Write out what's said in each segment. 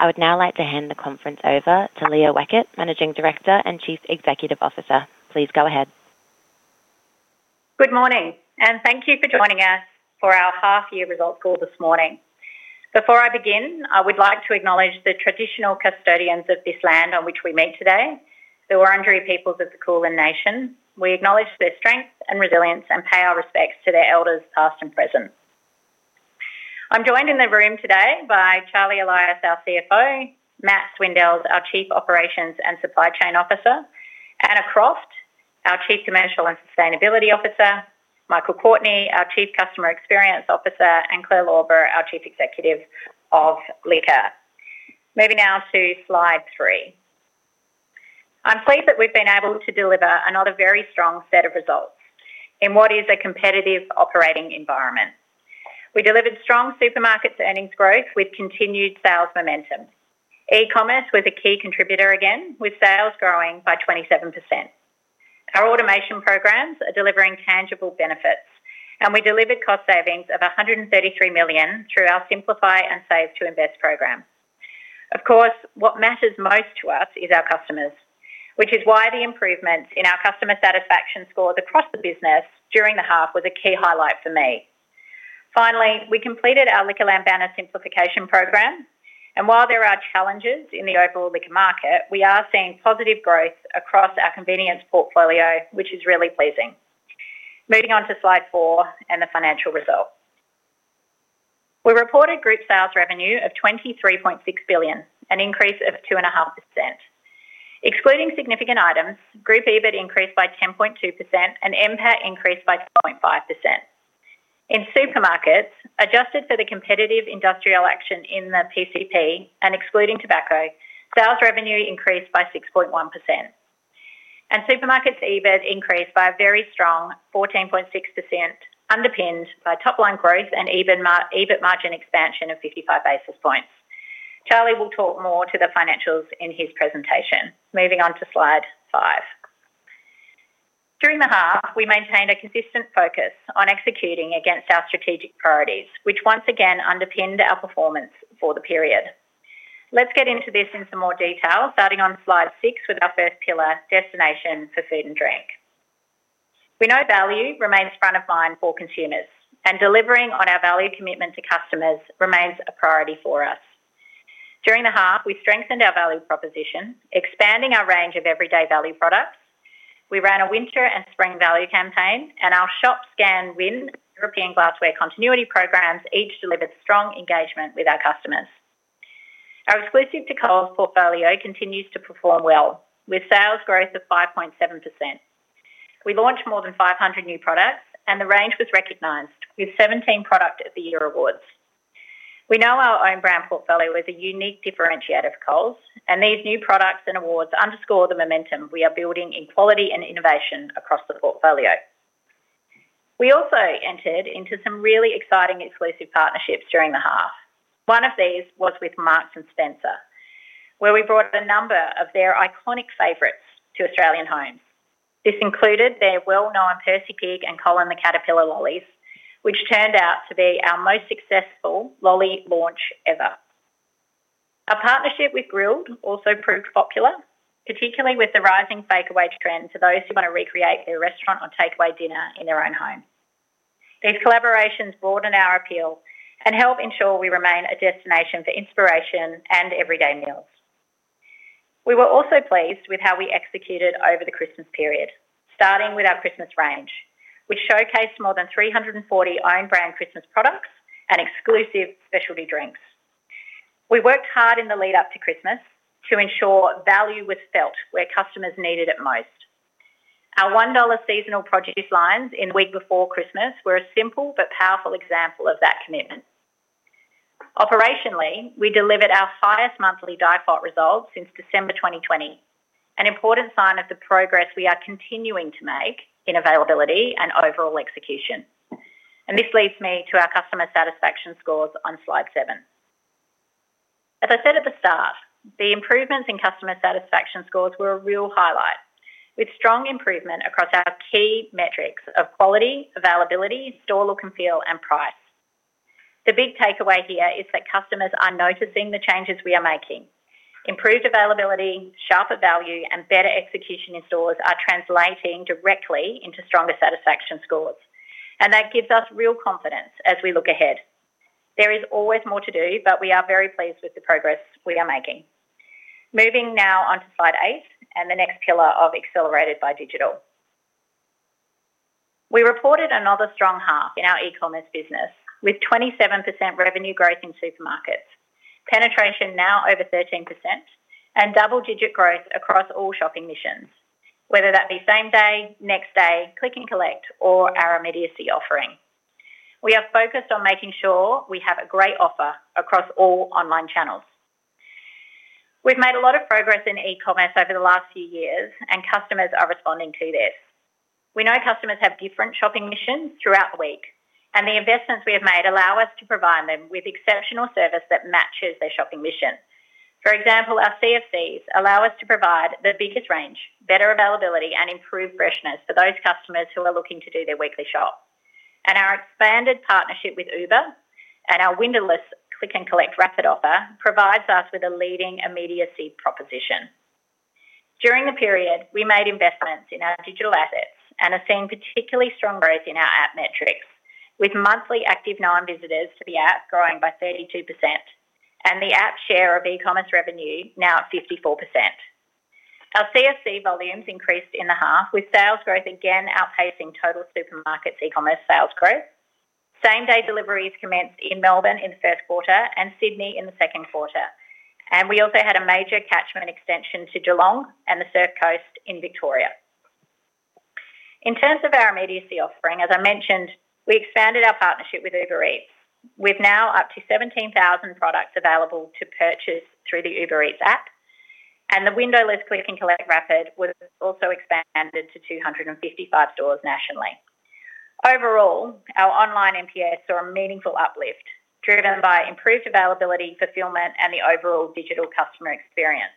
I would now like to hand the conference over to Leah Weckert, Managing Director and Chief Executive Officer. Please go ahead. Good morning, thank you for joining us for our half-year results call this morning. Before I begin, I would like to acknowledge the traditional custodians of this land on which we meet today, the Wurundjeri peoples of the Kulin Nation. We acknowledge their strength and resilience and pay our respects to their elders, past and present. I'm joined in the room today by Charlie Elias, our CFO, Matt Swindells, our Chief Operations and Supply Chain Officer, Anna Croft, our Chief Commercial and Sustainability Officer, Michael Courtney, our Chief Customer Experience Officer, and Claire Lauber, our Chief Executive of Liquor. Moving now to Slide 3. I'm pleased that we've been able to deliver another very strong set of results in what is a competitive operating environment. We delivered strong supermarkets earnings growth with continued sales momentum. E-commerce was a key contributor again, with sales growing by 27%. Our automation programs are delivering tangible benefits. We delivered cost savings of 133 million through our Simplify and Save to Invest program. Of course, what matters most to us is our customers, which is why the improvements in our customer satisfaction scores across the business during the half was a key highlight for me. We completed our LiquorLand banner simplification program, and while there are challenges in the overall liquor market, we are seeing positive growth across our convenience portfolio, which is really pleasing. Moving on to Slide 4 and the financial results. We reported group sales revenue of 23.6 billion, an increase of 2.5%. Excluding significant items, group EBIT increased by 10.2% and NPAT increased by 2.5%. In supermarkets, adjusted for the competitive industrial action in the PCP and excluding tobacco, sales revenue increased by 6.1%, and supermarkets EBIT increased by a very strong 14.6%, underpinned by top-line growth and EBIT margin expansion of 55 basis points. Charlie will talk more to the financials in his presentation. Moving on to Slide 5. During the half, we maintained a consistent focus on executing against our strategic priorities, which once again underpinned our performance for the period. Let's get into this in some more detail, starting on Slide 6 with our first pillar, Destination for Food and Drink. We know value remains front of mind for consumers, and delivering on our value commitment to customers remains a priority for us. During the half, we strengthened our value proposition, expanding our range of everyday value products. We ran a winter and spring value campaign. Our Shop, Scan, Win European glassware continuity programs each delivered strong engagement with our customers. Our exclusive to Coles portfolio continues to perform well, with sales growth of 5.7%. We launched more than 500 new products. The range was recognized with 17 Product of the Year awards. We know our own brand portfolio is a unique differentiator for Coles. These new products and awards underscore the momentum we are building in quality and innovation across the portfolio. We also entered into some really exciting exclusive partnerships during the half. One of these was with Marks & Spencer, where we brought a number of their iconic favorites to Australian homes. This included their well-known Percy Pig and Colin the Caterpillar lollies, which turned out to be our most successful lolly launch ever. A partnership with Grill'd also proved popular, particularly with the rising bakeaway trend to those who want to recreate their restaurant or takeaway dinner in their own home. These collaborations broaden our appeal and help ensure we remain a destination for inspiration and everyday meals. We were also pleased with how we executed over the Christmas period, starting with our Christmas range, which showcased more than 340 own brand Christmas products and exclusive specialty drinks. We worked hard in the lead up to Christmas to ensure value was felt where customers needed it most. Our 1 dollar seasonal produce lines in the week before Christmas were a simple but powerful example of that commitment. Operationally, we delivered our highest monthly default results since December 2020, an important sign of the progress we are continuing to make in availability and overall execution. This leads me to our customer satisfaction scores on Slide 7. As I said at the start, the improvements in customer satisfaction scores were a real highlight, with strong improvement across our key metrics of quality, availability, store look and feel, and price. The big takeaway here is that customers are noticing the changes we are making. Improved availability, sharper value, and better execution in stores are translating directly into stronger satisfaction scores, and that gives us real confidence as we look ahead. There is always more to do, but we are very pleased with the progress we are making. Moving now on to Slide 8 and the next pillar of Accelerated by Digital. We reported another strong half in our e-commerce business, with 27% revenue growth in supermarkets, penetration now over 13%, and double-digit growth across all shopping missions, whether that be same day, next day, click and collect, or our immediacy offering. We are focused on making sure we have a great offer across all online channels. We've made a lot of progress in e-commerce over the last few years, and customers are responding to this. We know customers have different shopping missions throughout the week, and the investments we have made allow us to provide them with exceptional service that matches their shopping mission. For example, our CFCs allow us to provide the biggest range, better availability, and improved freshness for those customers who are looking to do their weekly shop. Our expanded partnership with Uber and our windowless click and collect rapid offer provides us with a leading immediacy proposition. During the period, we made investments in our digital assets and are seeing particularly strong growth in our app metrics, with monthly active nine visitors to the app growing by 32% and the app share of e-commerce revenue now at 54%. Our CFC volumes increased in the half, with sales growth again outpacing total supermarkets e-commerce sales growth. Same-day deliveries commenced in Melbourne in the first quarter and Sydney in the second quarter, and we also had a major catchment extension to Geelong and the Surf Coast in Victoria. In terms of our immediacy offering, as I mentioned, we expanded our partnership with Uber Eats. We've now up to 17,000 products available to purchase through the Uber Eats app, and the windowless click and collect rapid was also expanded to 255 stores nationally. Overall, our online NPS saw a meaningful uplift, driven by improved availability, fulfillment, and the overall digital customer experience.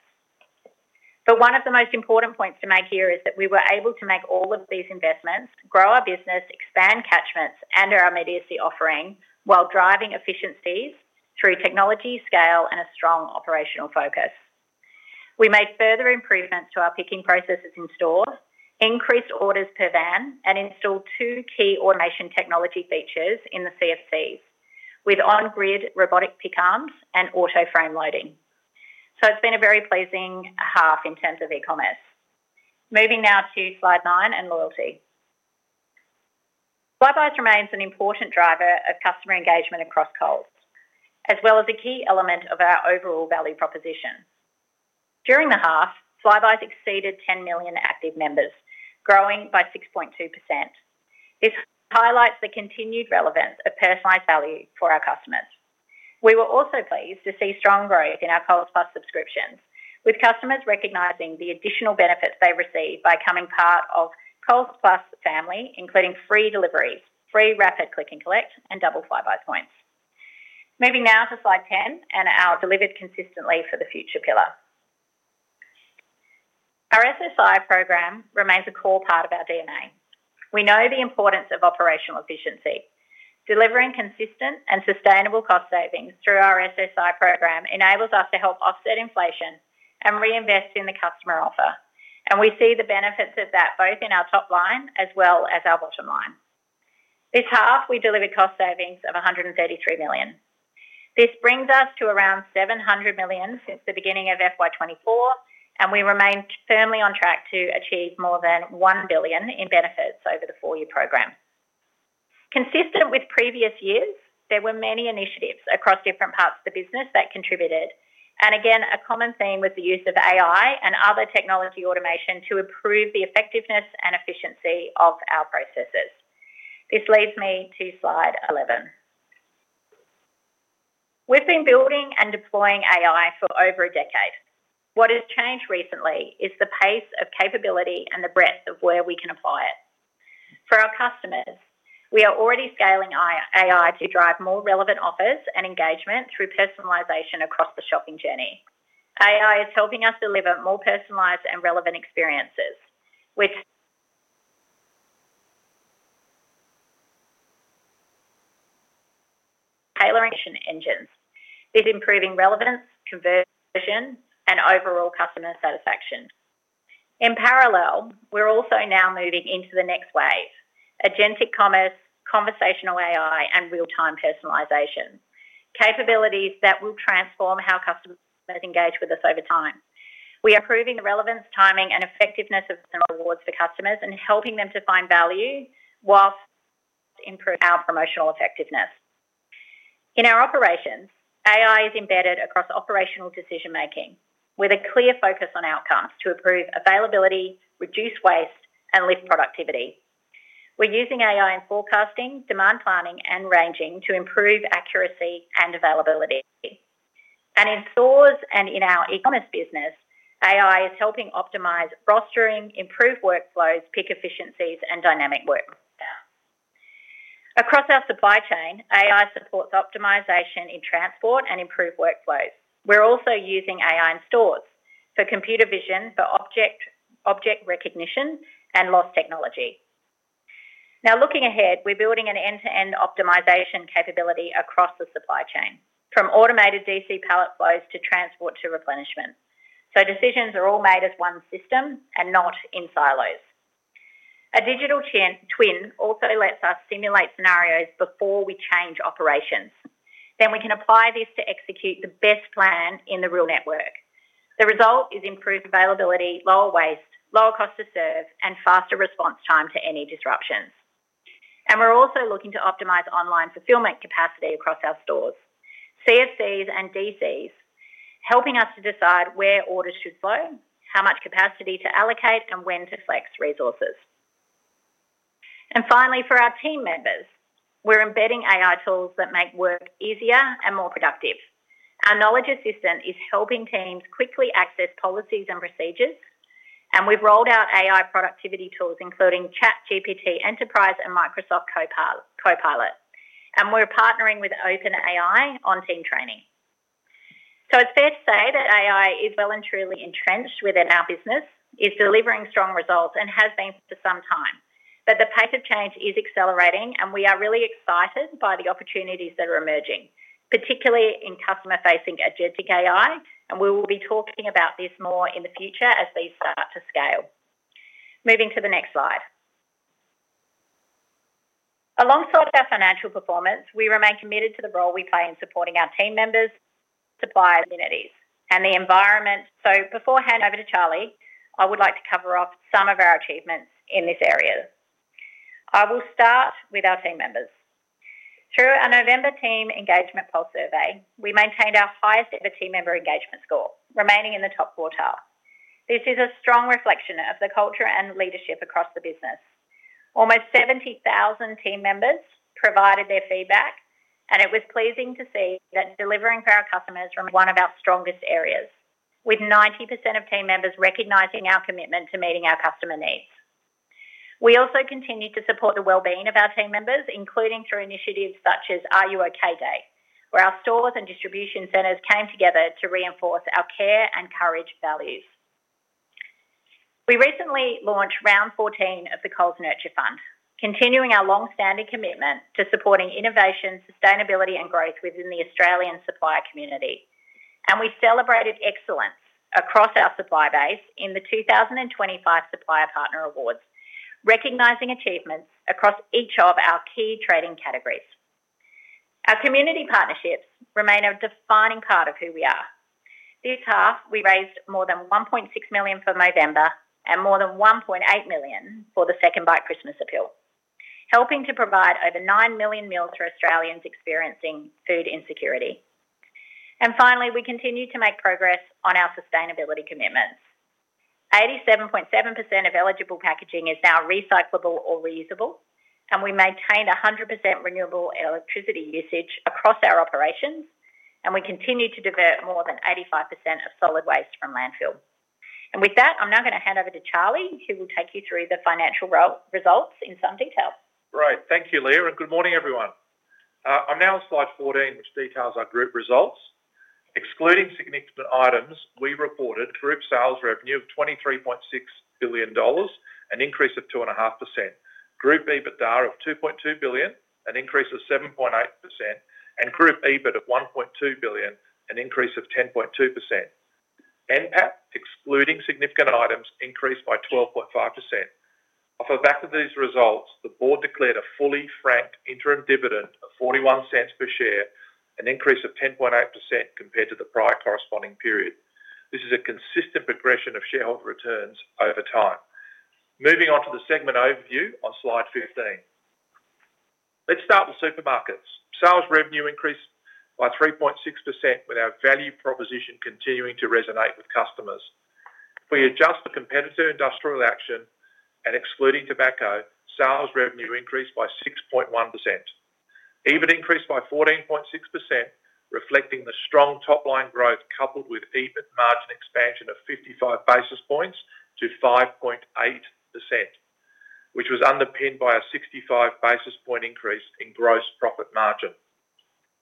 One of the most important points to make here is that we were able to make all of these investments, grow our business, expand catchments and our immediacy offering, while driving efficiencies through technology, scale, and a strong operational focus. We made further improvements to our picking processes in stores, increased orders per van, and installed 2 key automation technology features in the CFCs, with on-grid robotic pick arms and auto frame loading. It's been a very pleasing half in terms of e-commerce. Moving now to slide 9 and loyalty. Flybuys remains an important driver of customer engagement across Coles, as well as a key element of our overall value proposition. During the half, Flybuys exceeded 10 million active members, growing by 6.2%. This highlights the continued relevance of personalized value for our customers. We were also pleased to see strong growth in our Coles Plus subscriptions, with customers recognizing the additional benefits they receive by becoming part of Coles Plus family, including free deliveries, free rapid click and collect, and double Flybuys points. Moving now to slide 10 and our delivered consistently for the future pillar. Our SSI program remains a core part of our DNA. We know the importance of operational efficiency. Delivering consistent and sustainable cost savings through our SSI program enables us to help offset inflation and reinvest in the customer offer, and we see the benefits of that both in our top line as well as our bottom line. This half, we delivered cost savings of 133 million. This brings us to around 700 million since the beginning of FY 2024, and we remain firmly on track to achieve more than 1 billion in benefits over the four-year program. Consistent with previous years, there were many initiatives across different parts of the business that contributed. Again, a common theme with the use of AI and other technology automation to improve the effectiveness and efficiency of our processes. This leads me to slide 11. We've been building and deploying AI for over a decade. What has changed recently is the pace of capability and the breadth of where we can apply it. For our customers, we are already scaling AI to drive more relevant offers and engagement through personalization across the shopping journey. AI is helping us deliver more personalized and relevant experiences, with... tailoring engines, with improving relevance, conversion, and overall customer satisfaction. In parallel, we're also now moving into the next wave: agentic commerce, conversational AI, and real-time personalization, capabilities that will transform how customers engage with us over time. We are improving the relevance, timing, and effectiveness of awards for customers and helping them to find value while improve our promotional effectiveness. In our operations, AI is embedded across operational decision-making, with a clear focus on outcomes to improve availability, reduce waste, and lift productivity. We're using AI in forecasting, demand planning, and ranging to improve accuracy and availability. In stores and in our e-commerce business, AI is helping optimize rostering, improve workflows, pick efficiencies, and dynamic work. Across our supply chain, AI supports optimization in transport and improved workflows. We're also using AI in stores for computer vision, for object recognition, and loss technology. Looking ahead, we're building an end-to-end optimization capability across the supply chain, from automated DC pallet flows to transport to replenishment. Decisions are all made as one system and not in silos. A digital twin also lets us simulate scenarios before we change operations. We can apply this to execute the best plan in the real network. The result is improved availability, lower waste, lower cost to serve, and faster response time to any disruptions. We're also looking to optimize online fulfillment capacity across our stores, CFCs and DCs, helping us to decide where orders should flow, how much capacity to allocate, and when to flex resources. Finally, for our team members, we're embedding AI tools that make work easier and more productive. Our knowledge assistant is helping teams quickly access policies and procedures, and we've rolled out AI productivity tools, including ChatGPT Enterprise and Microsoft Copilot, and we're partnering with OpenAI on team training. It's fair to say that AI is well and truly entrenched within our business, is delivering strong results, and has been for some time. The pace of change is accelerating, and we are really excited by the opportunities that are emerging, particularly in customer-facing agentic AI, and we will be talking about this more in the future as these start to scale. Moving to the next slide. Alongside our financial performance, we remain committed to the role we play in supporting our team members to buy amenities and the environment. Before handing over to Charlie, I would like to cover off some of our achievements in this area. I will start with our team members. Through our November team engagement pulse survey, we maintained our highest-ever team member engagement score, remaining in the top quartile. This is a strong reflection of the culture and leadership across the business. Almost 70,000 team members provided their feedback, and it was pleasing to see that delivering for our customers remained one of our strongest areas, with 90% of team members recognizing our commitment to meeting our customer needs. We also continued to support the wellbeing of our team members, including through initiatives such as R U OK? Day, where our stores and distribution centers came together to reinforce our care and courage values. We recently launched round 14 of the Coles Nurture Fund, continuing our long-standing commitment to supporting innovation, sustainability, and growth within the Australian supplier community. We celebrated excellence across our supplier base in the 2025 Supplier Partner Awards, recognizing achievements across each of our key trading categories. Our community partnerships remain a defining part of who we are. This half, we raised more than 1.6 million for Movember and more than 1.8 million for the SecondBite Christmas Appeal, helping to provide over 9 million meals for Australians experiencing food insecurity. Finally, we continued to make progress on our sustainability commitments. 87.7% of eligible packaging is now recyclable or reusable. We maintained 100% renewable electricity usage across our operations. We continued to divert more than 85% of solid waste from landfill. With that, I'm now going to hand over to Charlie, who will take you through the financial results in some detail. Great. Thank you, Leah Weckert, and good morning, everyone. I'm now on slide 14, which details our group results. Excluding significant items, we reported group sales revenue of 23.6 billion dollars, an increase of 2.5%. Group EBITDA of 2.2 billion, an increase of 7.8%, and group EBIT of 1.2 billion, an increase of 10.2%. NPAT, excluding significant items, increased by 12.5%. Off the back of these results, the Board declared a fully franked interim dividend of 0.41 per share, an increase of 10.8% compared to the prior corresponding period. This is a consistent progression of shareholder returns over time. Moving on to the segment overview on slide 15. Let's start with supermarkets. Sales revenue increased by 3.6%, with our value proposition continuing to resonate with customers. We adjust for competitive industrial action, and excluding tobacco, sales revenue increased by 6.1%. EBIT increased by 14.6%, reflecting the strong top-line growth, coupled with EBIT margin expansion of 55 basis points to 5.8%, which was underpinned by a 65 basis point increase in gross profit margin.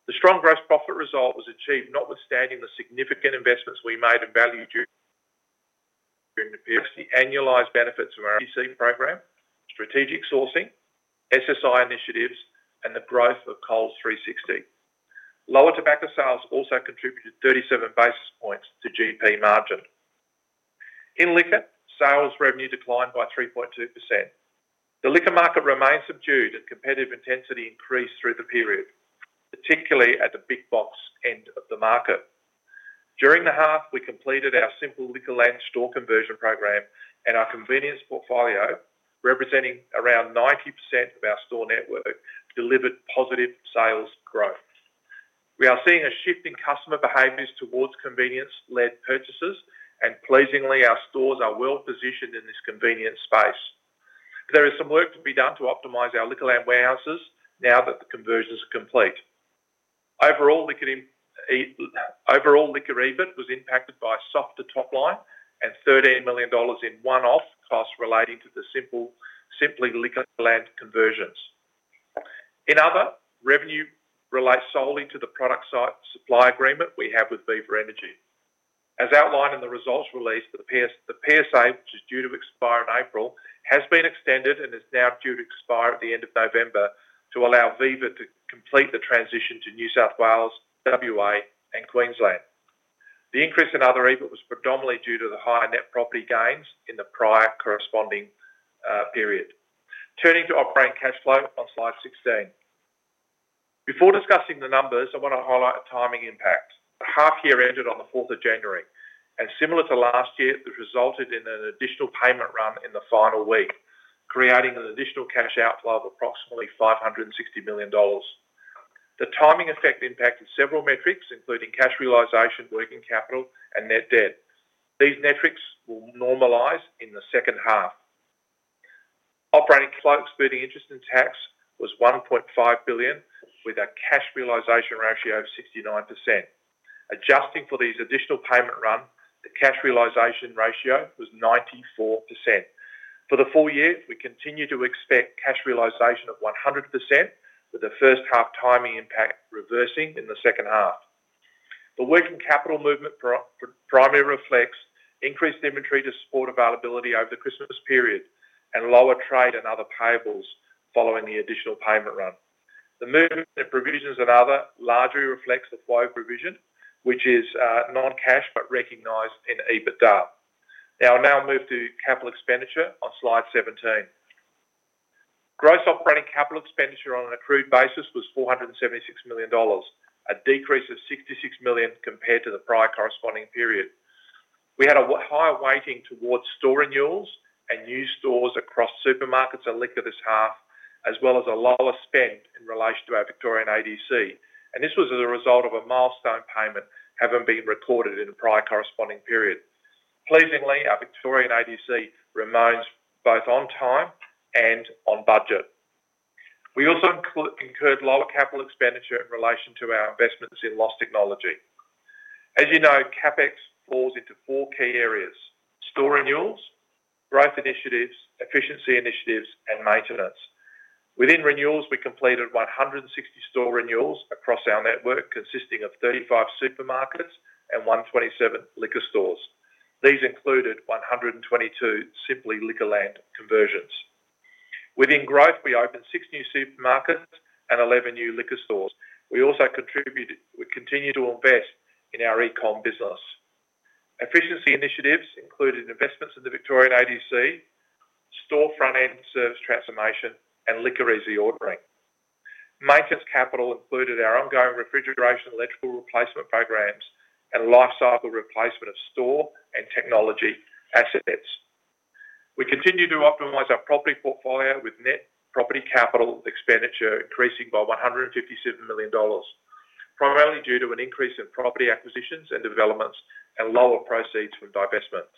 The strong gross profit result was achieved notwithstanding the significant investments we made in value during the annualized benefits of our EC program, strategic sourcing, SSI initiatives, and the growth of Coles 360. Lower tobacco sales also contributed 37 basis points to GP margin. In liquor, sales revenue declined by 3.2%. The liquor market remains subdued, and competitive intensity increased through the period, particularly at the big box end of the market. During the half, we completed our simple LiquorLand store conversion program, our convenience portfolio, representing around 90% of our store network, delivered positive sales growth. We are seeing a shift in customer behaviors towards convenience-led purchases, pleasingly, our stores are well positioned in this convenience space. There is some work to be done to optimize our LiquorLand Warehouse now that the conversions are complete. Overall, liquor EBIT was impacted by a softer top line and 13 million dollars in one-off costs relating to the Simply LiquorLand conversions. In other, revenue relates solely to the product site supply agreement we have with Viva Energy. As outlined in the results release, the PSA, which is due to expire in April, has been extended and is now due to expire at the end of November to allow Viva Energy to complete the transition to New South Wales, W.A., and Queensland. The increase in other EBIT was predominantly due to the higher net property gains in the prior corresponding period. Turning to operating cash flow on slide 16. Before discussing the numbers, I want to highlight a timing impact. The half year ended on the 4th of January, similar to last year, this resulted in an additional payment run in the final week, creating an additional cash outflow of approximately 560 million dollars. The timing effect impacted several metrics, including cash realization, working capital, and net debt. These metrics will normalize in the second half. Operating cash flow, excluding interest and tax, was 1.5 billion, with a cash realization ratio of 69%. Adjusting for this additional payment run, the cash realization ratio was 94%. For the full year, we continue to expect cash realization of 100%, with the first half timing impact reversing in the second half. The working capital movement primarily reflects increased inventory to support availability over the Christmas period and lower trade and other payables following the additional payment run. The movement in provisions and other largely reflects the flow of provision, which is non-cash, but recognized in EBITDA. I'll now move to capital expenditure on slide 17. Gross operating capital expenditure on an accrued basis was 476 million dollars, a decrease of 66 million compared to the prior corresponding period. We had a higher weighting towards store renewals and new stores across supermarkets and liquor this half, as well as a lower spend in relation to our Victorian ADC. This was as a result of a milestone payment having been recorded in the prior corresponding period. Pleasingly, our Victorian ADC remains both on time and on budget. We also incurred lower capital expenditure in relation to our investments in loss technology. As you know, CapEx falls into four key areas: store renewals, growth initiatives, efficiency initiatives, and maintenance. Within renewals, we completed 160 store renewals across our network, consisting of 35 supermarkets and 127 liquor stores. These included 122 Simply LiquorLand conversions. Within growth, we opened 6 new supermarkets and 11 new liquor stores. We also continue to invest in our e-commerce business. Efficiency initiatives included investments in the Victorian ADC, store front-end service transformation, and Liquor Easy ordering. Maintenance capital included our ongoing refrigeration and electrical replacement programs and lifecycle replacement of store and technology assets. We continue to optimize our property portfolio, with net property capital expenditure increasing by 157 million dollars, primarily due to an increase in property acquisitions and developments and lower proceeds from divestments.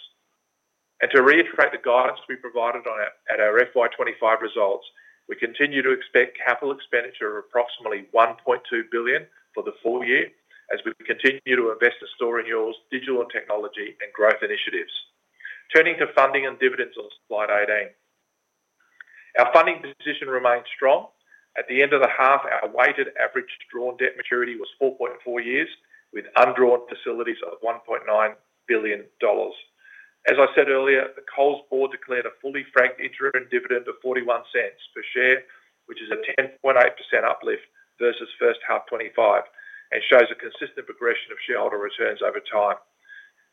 To reiterate the guidance we provided on our, at our FY 2025 results, we continue to expect capital expenditure of approximately 1.2 billion for the full year as we continue to invest in store renewals, digital and technology, and growth initiatives. Turning to funding and dividends on slide 18. Our funding position remains strong. At the end of the half, our weighted average drawn debt maturity was 4.4 years, with undrawn facilities of 1.9 billion dollars. As I said earlier, the Coles board declared a fully franked interim dividend of 0.41 per share, which is a 10.8% uplift versus first half 2025 and shows a consistent progression of shareholder returns over time.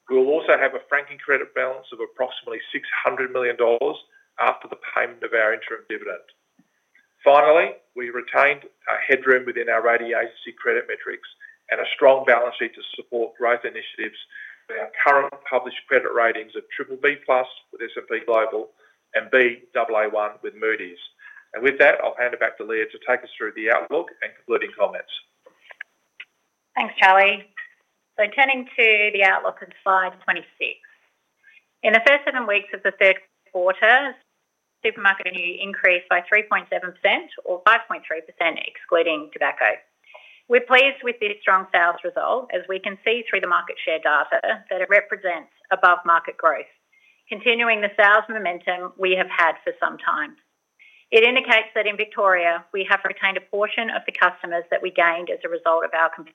We will also have a franking credit balance of approximately 600 million dollars after the payment of our interim dividend. Finally, we retained our headroom within our rating agency credit metrics and a strong balance sheet to support growth initiatives with our current published credit ratings of BBB+ with S&P Global and Baa1 with Moody's. With that, I'll hand it back to Leah to take us through the outlook and concluding comments. Thanks, Charlie. Turning to the outlook on slide 26. In the first seven weeks of the third quarter, supermarket revenue increased by 3.7% or 5.3%, excluding tobacco. We're pleased with this strong sales result, as we can see through the market share data, that it represents above-market growth, continuing the sales momentum we have had for some time. It indicates that in Victoria, we have retained a portion of the customers that we gained as a result of our [inaudible] -3.5%.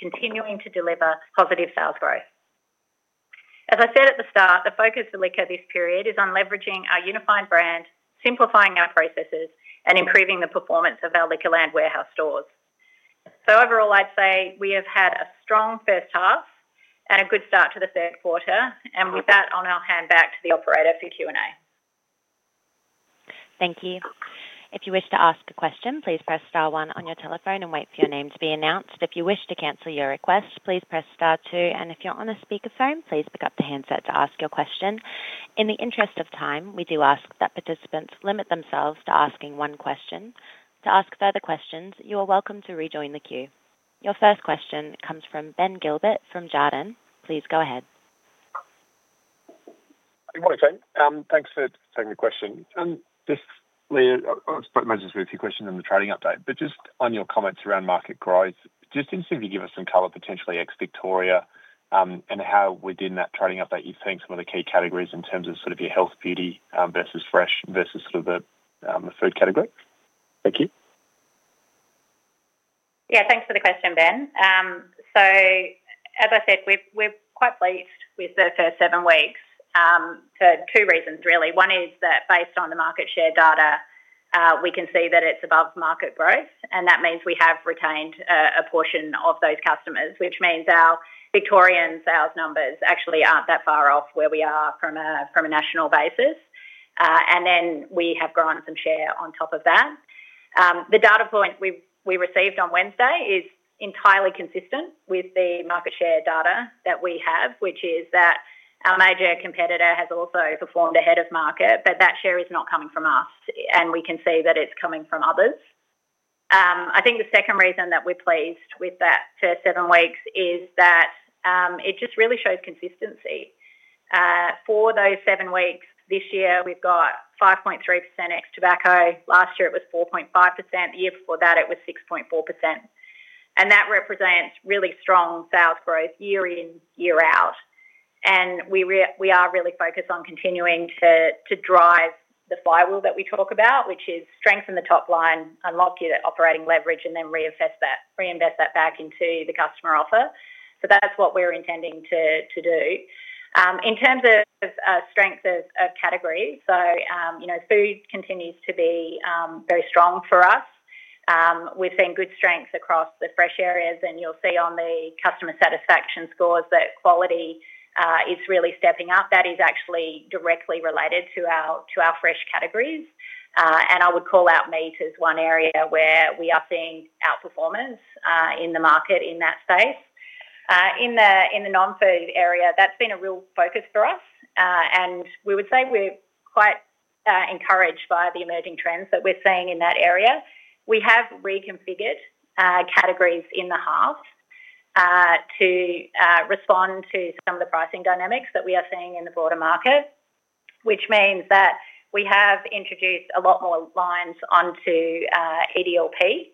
Continuing to deliver positive sales growth. As I said at the start, the focus of Liquor this period is on leveraging our unified brand, simplifying our processes, and improving the performance of our LiquorLand Warehouse stores. Overall, I'd say we have had a strong first half and a good start to the third quarter. With that, I'll now hand back to the operator for Q&A. Thank you. If you wish to ask a question, please press star one on your telephone and wait for your name to be announced. If you wish to cancel your request, please press star two, and if you're on a speakerphone, please pick up the handset to ask your question. In the interest of time, we do ask that participants limit themselves to asking one question. To ask further questions, you are welcome to rejoin the queue. Your first question comes from Ben Gilbert from Jarden. Please go ahead. Good morning, team. Thanks for taking the question. Just Leah, I was supposed to ask a few questions on the trading update, but just on your comments around market growth, just can you simply give us some color, potentially ex-Victoria, and how within that trading update you're seeing some of the key categories in terms of sort of your health, beauty, versus fresh, versus sort of the food category? Thank you. Yeah, thanks for the question, Ben. As I said, we're quite pleased with the first 7 weeks for 2 reasons, really. One is that based on the market share data, we can see that it's above market growth, that means we have retained a portion of those customers, which means our Victorian sales numbers actually aren't that far off where we are from a national basis. Then we have grown some share on top of that. The data point we received on Wednesday is entirely consistent with the market share data that we have, which is that our major competitor has also performed ahead of market, that share is not coming from us, we can see that it's coming from others.... I think the second reason that we're pleased with that first 7 weeks is that it just really shows consistency. For those 7 weeks, this year, we've got 5.3% ex tobacco. Last year, it was 4.5%. The year before that, it was 6.4%. That represents really strong sales growth year in, year out. We are really focused on continuing to drive the flywheel that we talk about, which is strengthen the top line, unlock your operating leverage, and then reinvest that back into the customer offer. That's what we're intending to do. In terms of strength of categories, you know, food continues to be very strong for us. We've seen good strength across the fresh areas, and you'll see on the customer satisfaction scores that quality is really stepping up. That is actually directly related to our fresh categories. I would call out meat as one area where we are seeing outperformance in the market in that space. In the non-food area, that's been a real focus for us. We would say we're quite encouraged by the emerging trends that we're seeing in that area. We have reconfigured categories in the half to respond to some of the pricing dynamics that we are seeing in the broader market, which means that we have introduced a lot more lines onto EDLP.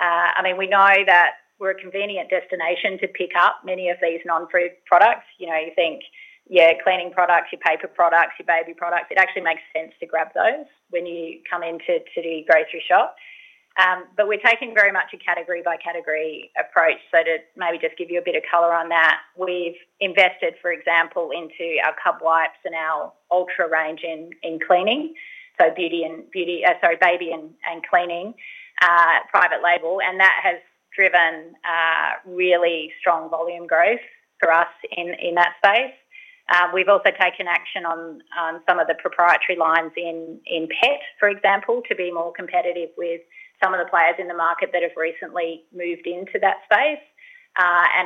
I mean, we know that we're a convenient destination to pick up many of these non-food products. You know, you think, your cleaning products, your paper products, your baby products. It actually makes sense to grab those when you come into the grocery shop. We're taking very much a category by category approach. To maybe just give you a bit of color on that, we've invested, for example, into our Coles Ultra wipes and our Coles Ultra range in cleaning, so baby and cleaning private label, and that has driven really strong volume growth for us in that space. We've also taken action on some of the proprietary lines in pet, for example, to be more competitive with some of the players in the market that have recently moved into that space.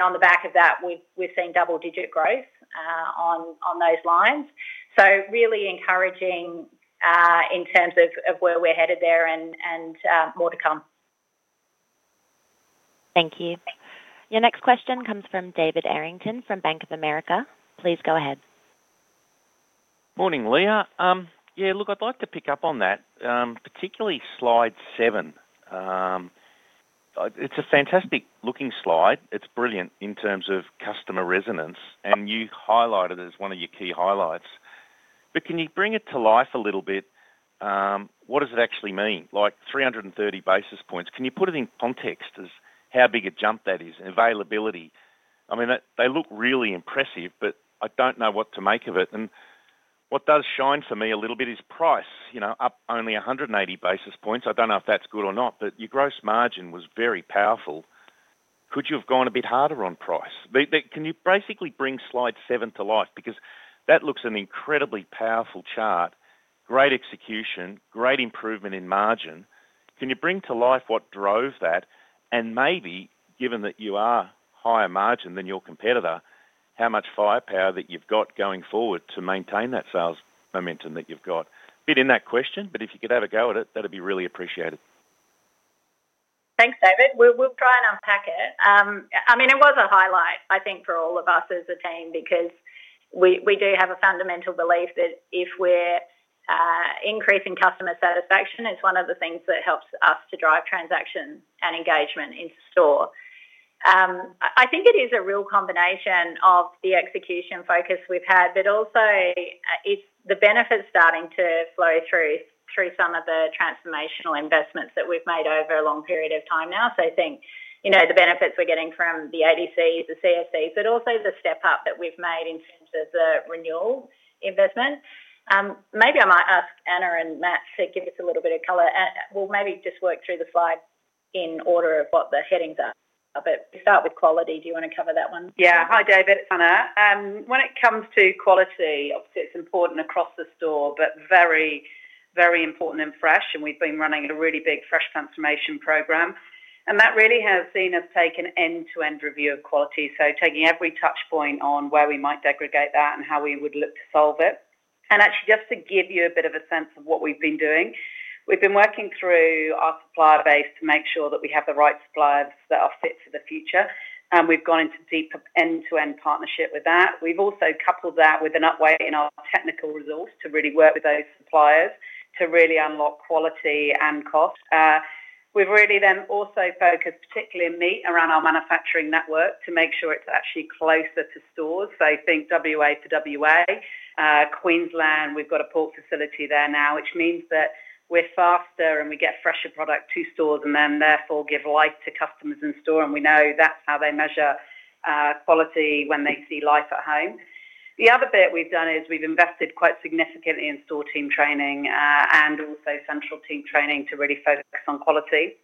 On the back of that, we've seen double-digit growth on those lines. Really encouraging, in terms of where we're headed there and more to come. Thank you. Your next question comes from David Errington, from Bank of America. Please go ahead. Morning, Leah. Yeah, look, I'd like to pick up on that, particularly slide seven. It's a fantastic looking slide. It's brilliant in terms of customer resonance, and you highlight it as one of your key highlights. Can you bring it to life a little bit? What does it actually mean? Like 330 basis points. Can you put it in context as how big a jump that is, and availability? I mean, they look really impressive, but I don't know what to make of it. What does shine for me a little bit is price, you know, up only 180 basis points. I don't know if that's good or not, but your gross margin was very powerful. Could you have gone a bit harder on price? Can you basically bring slide seven to life? Because that looks an incredibly powerful chart, great execution, great improvement in margin. Can you bring to life what drove that? Maybe, given that you are higher margin than your competitor, how much firepower that you've got going forward to maintain that sales momentum that you've got? A bit in that question, but if you could have a go at it, that'd be really appreciated. Thanks, David. We'll try and unpack it. I mean, it was a highlight, I think, for all of us as a team because we do have a fundamental belief that if we're increasing customer satisfaction, it's one of the things that helps us to drive transaction and engagement in store. I think it is a real combination of the execution focus we've had, but also, it's the benefits starting to flow through some of the transformational investments that we've made over a long period of time now. I think, you know, the benefits we're getting from the ADCs, the CFCs, but also the step up that we've made in terms of the renewal investment. Maybe I might ask Anna and Matt to give us a little bit of color, and we'll maybe just work through the slides in order of what the headings are. We start with quality. Do you want to cover that one? Hi, David, it's Anna. When it comes to quality, obviously, it's important across the store, but very, very important and fresh. We've been running a really big fresh transformation program. That really has seen us take an end-to-end review of quality. Taking every touchpoint on where we might aggregate that and how we would look to solve it. Actually, just to give you a bit of a sense of what we've been doing, we've been working through our supplier base to make sure that we have the right suppliers that are fit for the future, and we've gone into deep end-to-end partnership with that. We've also coupled that with an upweight in our technical resource to really work with those suppliers to really unlock quality and cost. We've really then also focused, particularly in meat, around our manufacturing network to make sure it's actually closer to stores. Think WA to WA. Queensland, we've got a port facility there now, which means that we're faster, and we get fresher product to stores and then therefore give life to customers in store, we know that's how they measure quality when they see life at home. The other bit we've done is we've invested quite significantly in store team training, and also central team training to really focus on quality,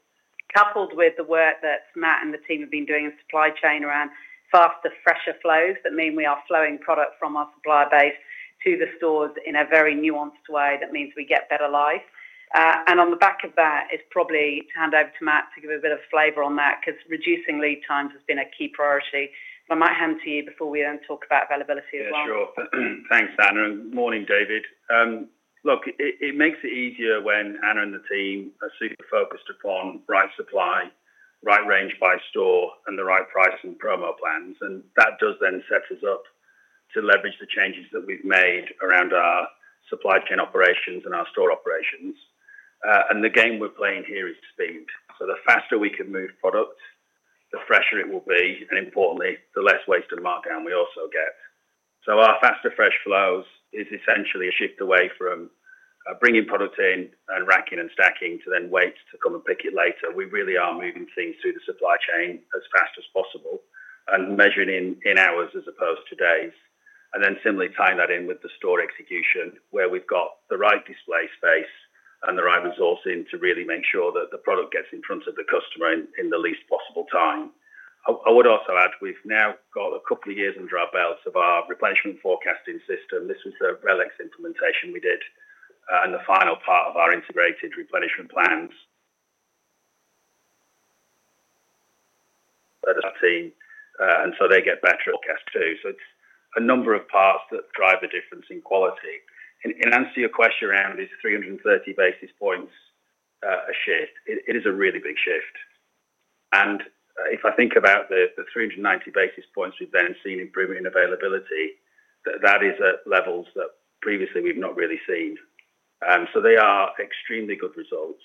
coupled with the work that Matt and the team have been doing in supply chain around faster, fresher flows. That mean we are flowing product from our supplier base to the stores in a very nuanced way that means we get better life. On the back of that, is probably to hand over to Matt to give a bit of flavor on that, 'cause reducing lead times has been a key priority. I might hand to you before we then talk about availability as well. Yeah, sure. Thanks, Anna. Morning, David. Look, it makes it easier when Anna and the team are super focused upon right supply right range by store and the right price and promo plans, and that does then set us up to leverage the changes that we've made around our supply chain operations and our store operations. The game we're playing here is speed. The faster we can move product, the fresher it will be, and importantly, the less waste and markdown we also get. Our faster fresh flows is essentially a shift away from bringing product in and racking and stacking to then wait to come and pick it later. We really are moving things through the supply chain as fast as possible and measuring in hours as opposed to days, and then similarly tying that in with the store execution, where we've got the right display space and the right resourcing to really make sure that the product gets in front of the customer in the least possible time. I would also add, we've now got 2 years under our belt of our replenishment forecasting system. This was a RELEX implementation we did, and the final part of our integrated replenishment plans. By the team, and so they get better at forecast, too. It's a number of parts that drive the difference in quality. Answer your question around is 330 basis points a shift. It is a really big shift. If I think about the 390 basis points, we've then seen improvement in availability, that is at levels that previously we've not really seen. They are extremely good results.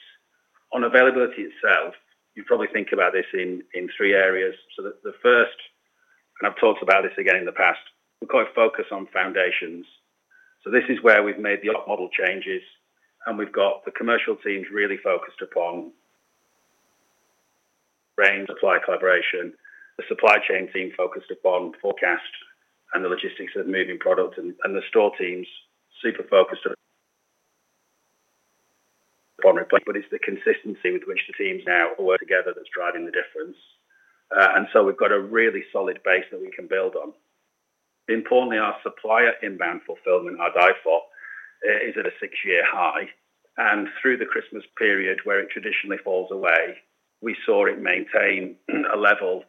On availability itself, you probably think about this in 3 areas. The first, and I've talked about this again in the past, we've got to focus on foundations. This is where we've made the op model changes, and we've got the commercial teams really focused upon range, supply, collaboration, the supply chain team focused upon forecast and the logistics of moving product and the store teams super focused on. It's the consistency with which the teams now work together that's driving the difference. We've got a really solid base that we can build on. Importantly, our supplier inbound fulfillment, our IFOP, is at a six-year high, and through the Christmas period, where it traditionally falls away, we saw it maintain a level,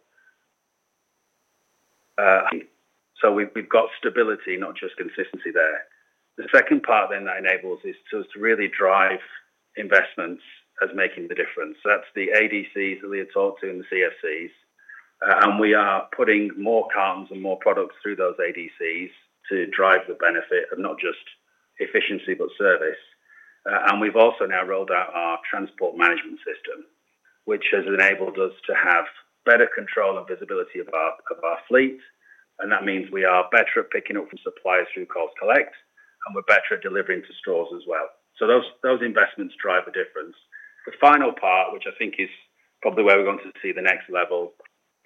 so we've got stability, not just consistency there. The second part, that enables us to really drive investments as making the difference. That's the ADCs that we had talked to and the CFCs, and we are putting more cartons and more products through those ADCs to drive the benefit of not just efficiency, but service. We've also now rolled out our transport management system, which has enabled us to have better control and visibility of our fleet, and that means we are better at picking up from suppliers through Coles Collect, and we're better at delivering to stores as well. Those investments drive a difference. The final part, which I think is probably where we're going to see the next level,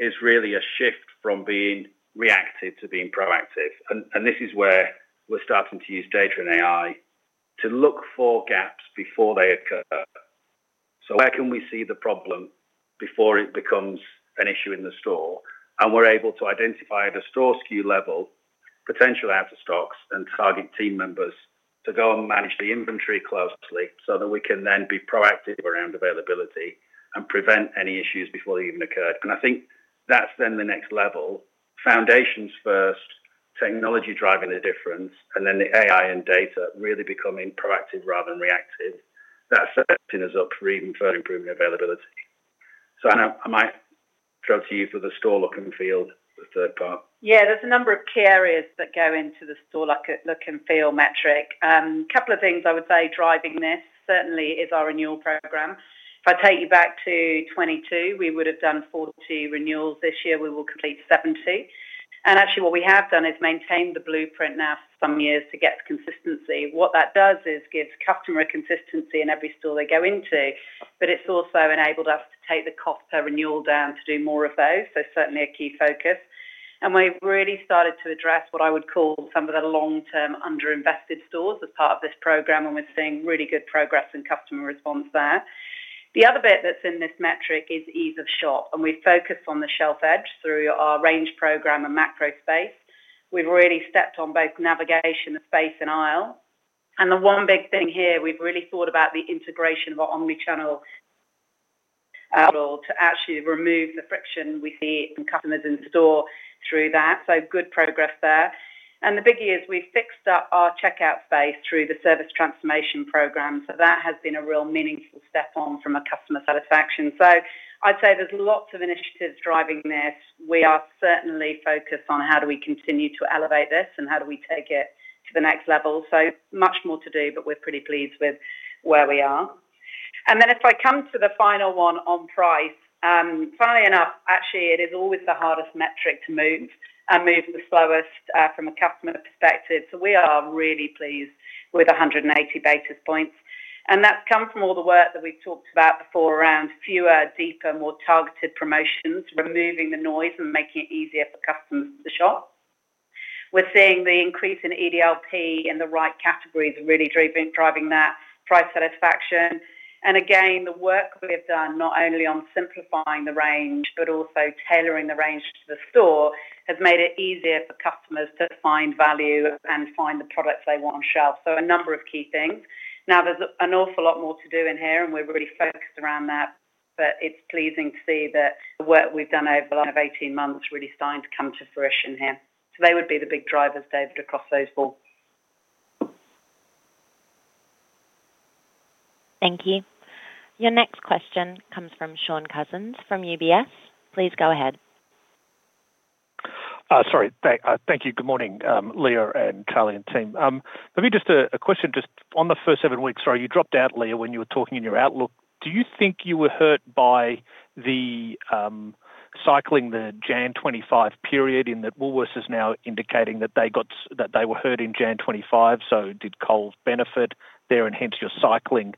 is really a shift from being reactive to being proactive, and this is where we're starting to use data and AI to look for gaps before they occur. Where can we see the problem before it becomes an issue in the store? We're able to identify at a store SKU level, potential out of stocks and target team members to go and manage the inventory closely so that we can then be proactive around availability and prevent any issues before they even occur. I think that's then the next level, foundations first, technology driving the difference, and then the AI and data really becoming proactive rather than reactive. That's setting us up for even further improving availability. Anna, I might throw to you for the store look and feel, the third part. Yeah, there's a number of key areas that go into the store look and feel metric. Couple of things I would say, driving this certainly is our renewal program. If I take you back to 2022, we would have done 40 renewals. This year, we will complete 70, actually, what we have done is maintained the blueprint now for some years to get consistency. What that does is gives customer consistency in every store they go into, it's also enabled us to take the cost per renewal down to do more of those. Certainly a key focus, and we've really started to address what I would call some of the long-term underinvested stores as part of this program, and we're seeing really good progress and customer response there. The other bit that's in this metric is ease of shop. We focus on the shelf edge through our range program and macro space. We've really stepped on both navigation of space and aisle. The one big thing here, we've really thought about the integration of our omnichannel model to actually remove the friction we see from customers in store through that. Good progress there. The big year, we fixed up our checkout space through the service transformation program, so that has been a real meaningful step on from a customer satisfaction. I'd say there's lots of initiatives driving this. We are certainly focused on how do we continue to elevate this and how do we take it to the next level. Much more to do, but we're pretty pleased with where we are. If I come to the final one on price, funnily enough, actually, it is always the hardest metric to move and moves the slowest from a customer perspective. We are really pleased with 180 basis points, and that's come from all the work that we've talked about before around fewer, deeper, more targeted promotions, removing the noise and making it easier for customers to shop. We're seeing the increase in EDLP in the right categories, really driving that price satisfaction. Again, the work we have done, not only on simplifying the range but also tailoring the range to the store, has made it easier for customers to find value and find the products they want on shelf. A number of key things. There's an awful lot more to do in here, and we're really focused around that, but it's pleasing to see that the work we've done over the last 18 months really starting to come to fruition here. They would be the big drivers, David, across those four. Thank you. Your next question comes from Shaun Cousins from UBS. Please go ahead. Sorry. Thank you. Good morning, Leah and Charlie and team. Maybe just a question on the first seven weeks. Sorry, you dropped out, Leah, when you were talking in your outlook. Do you think you were hurt by the cycling the Jan 2025 period in that Woolworths is now indicating that they were hurt in Jan 2025, so did Coles benefit there, and hence your cycling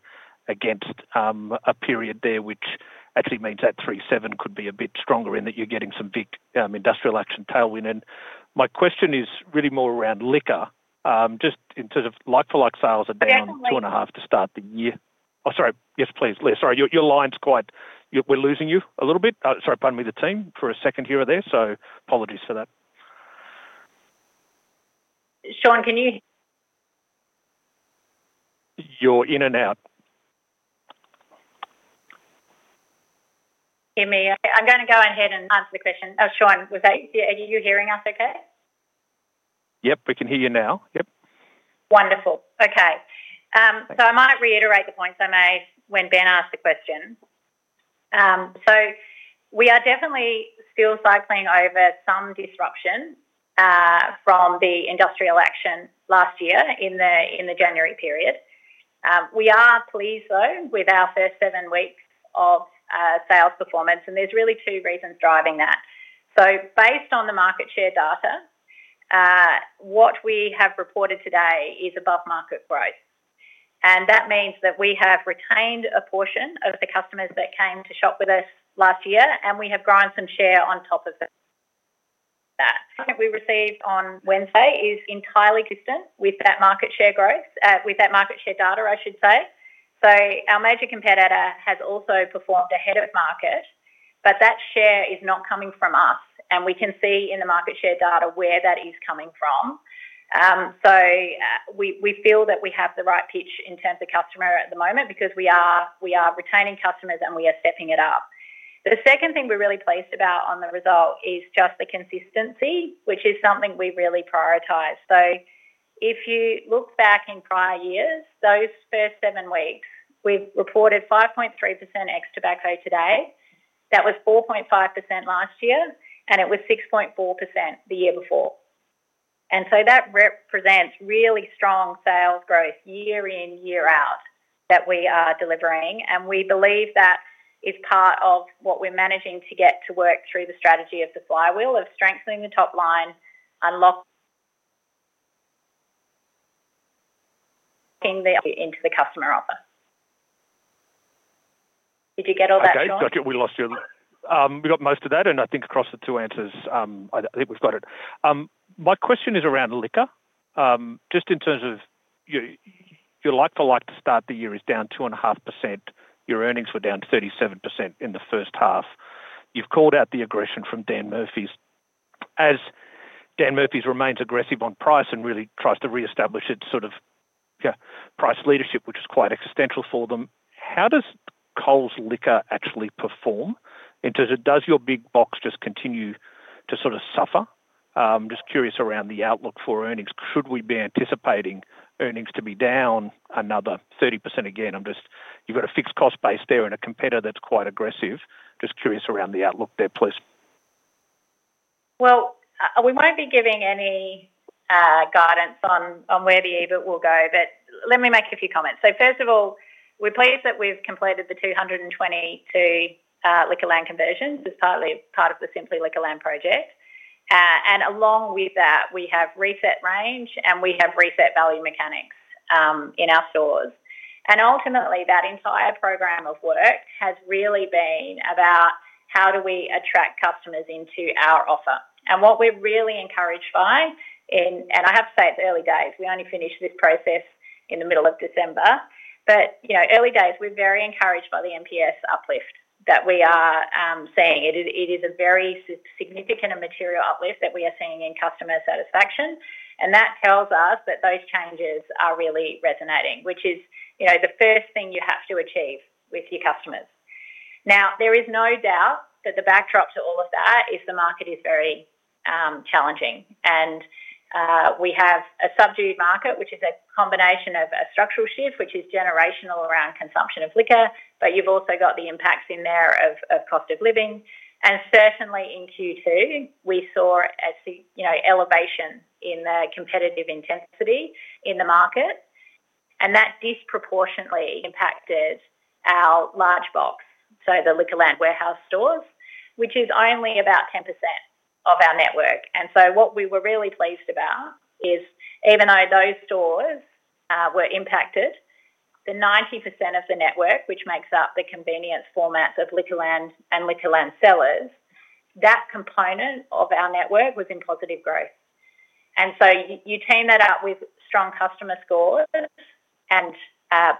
against a period there, which actually means that three to seven could be a bit stronger in that you're getting some big industrial action tailwind? My question is really more around liquor, just in terms of like-for-like sales are down 2.5% to start the year. Sorry. Yes, please, Leah. Sorry, your line's quite. We're losing you a little bit. Sorry, pardon me, the team, for a second here or there. Apologies for that. Shaun, can you? You're in and out. Hear me. I'm going to go ahead and answer the question. Oh, Shaun, was that, are you hearing us okay? Yep, we can hear you now. Yep. Wonderful. Okay. I might reiterate the points I made when Ben asked the question. We are definitely still cycling over some disruption from the industrial action last year in the January period. We are pleased, though, with our first seven weeks of sales performance, and there's really two reasons driving that. Based on the market share data, what we have reported today is above-market growth, and that means that we have retained a portion of the customers that came to shop with us last year, and we have grown some share on top of that. That we received on Wednesday is entirely consistent with that market share growth, with that market share data, I should say. Our major competitor has also performed ahead of market, but that share is not coming from us, and we can see in the market share data where that is coming from. We feel that we have the right pitch in terms of customer at the moment because we are retaining customers and we are stepping it up. The second thing we're really pleased about on the result is just the consistency, which is something we really prioritize. If you look back in prior years, those first seven weeks, we've reported 5.3% ex tobacco today. That was 4.5% last year, and it was 6.4% the year before. That represents really strong sales growth year in, year out, that we are delivering, and we believe that is part of what we're managing to get to work through the strategy of the flywheel, of strengthening the top line, unlocking the into the customer offer. Did you get all that, Shaun? Okay, we lost you. We got most of that, and I think across the two answers, I think we've got it. My question is around liquor. Just in terms of your like-to-like to start the year is down 2.5%. Your earnings were down 37% in the first half. You've called out the aggression from Dan Murphy's. Dan Murphy's remains aggressive on price and really tries to reestablish its sort of price leadership, which is quite existential for them, how does Coles liquor actually perform? In terms of does your big box just continue to sort of suffer? Just curious around the outlook for earnings. Should we be anticipating earnings to be down another 30% again? You've got a fixed cost base there and a competitor that's quite aggressive. Just curious around the outlook there, please. We won't be giving any guidance on where the EBIT will go, but let me make a few comments. First of all, we're pleased that we've completed the 222 LiquorLand conversions as part of the Simply LiquorLand project. Along with that, we have reset range, and we have reset value mechanics in our stores. Ultimately, that entire program of work has really been about how do we attract customers into our offer. What we're really encouraged by, and I have to say, it's early days. We only finished this process in the middle of December, but, you know, early days, we're very encouraged by the NPS uplift that we are seeing. It is a very significant and material uplift that we are seeing in customer satisfaction, and that tells us that those changes are really resonating, which is, you know, the first thing you have to achieve with your customers. There is no doubt that the backdrop to all of that is the market is very challenging, and we have a subdued market, which is a combination of a structural shift, which is generational around consumption of liquor, but you've also got the impacts in there of cost of living. Certainly in Q2, we saw a you know, elevation in the competitive intensity in the market, and that disproportionately impacted our large box, so the LiquorLand Warehouse stores, which is only about 10% of our network. What we were really pleased about is, even though those stores were impacted, the 90% of the network, which makes up the convenience formats of LiquorLand and LiquorLand Cellars, that component of our network was in positive growth. You team that up with strong customer scores and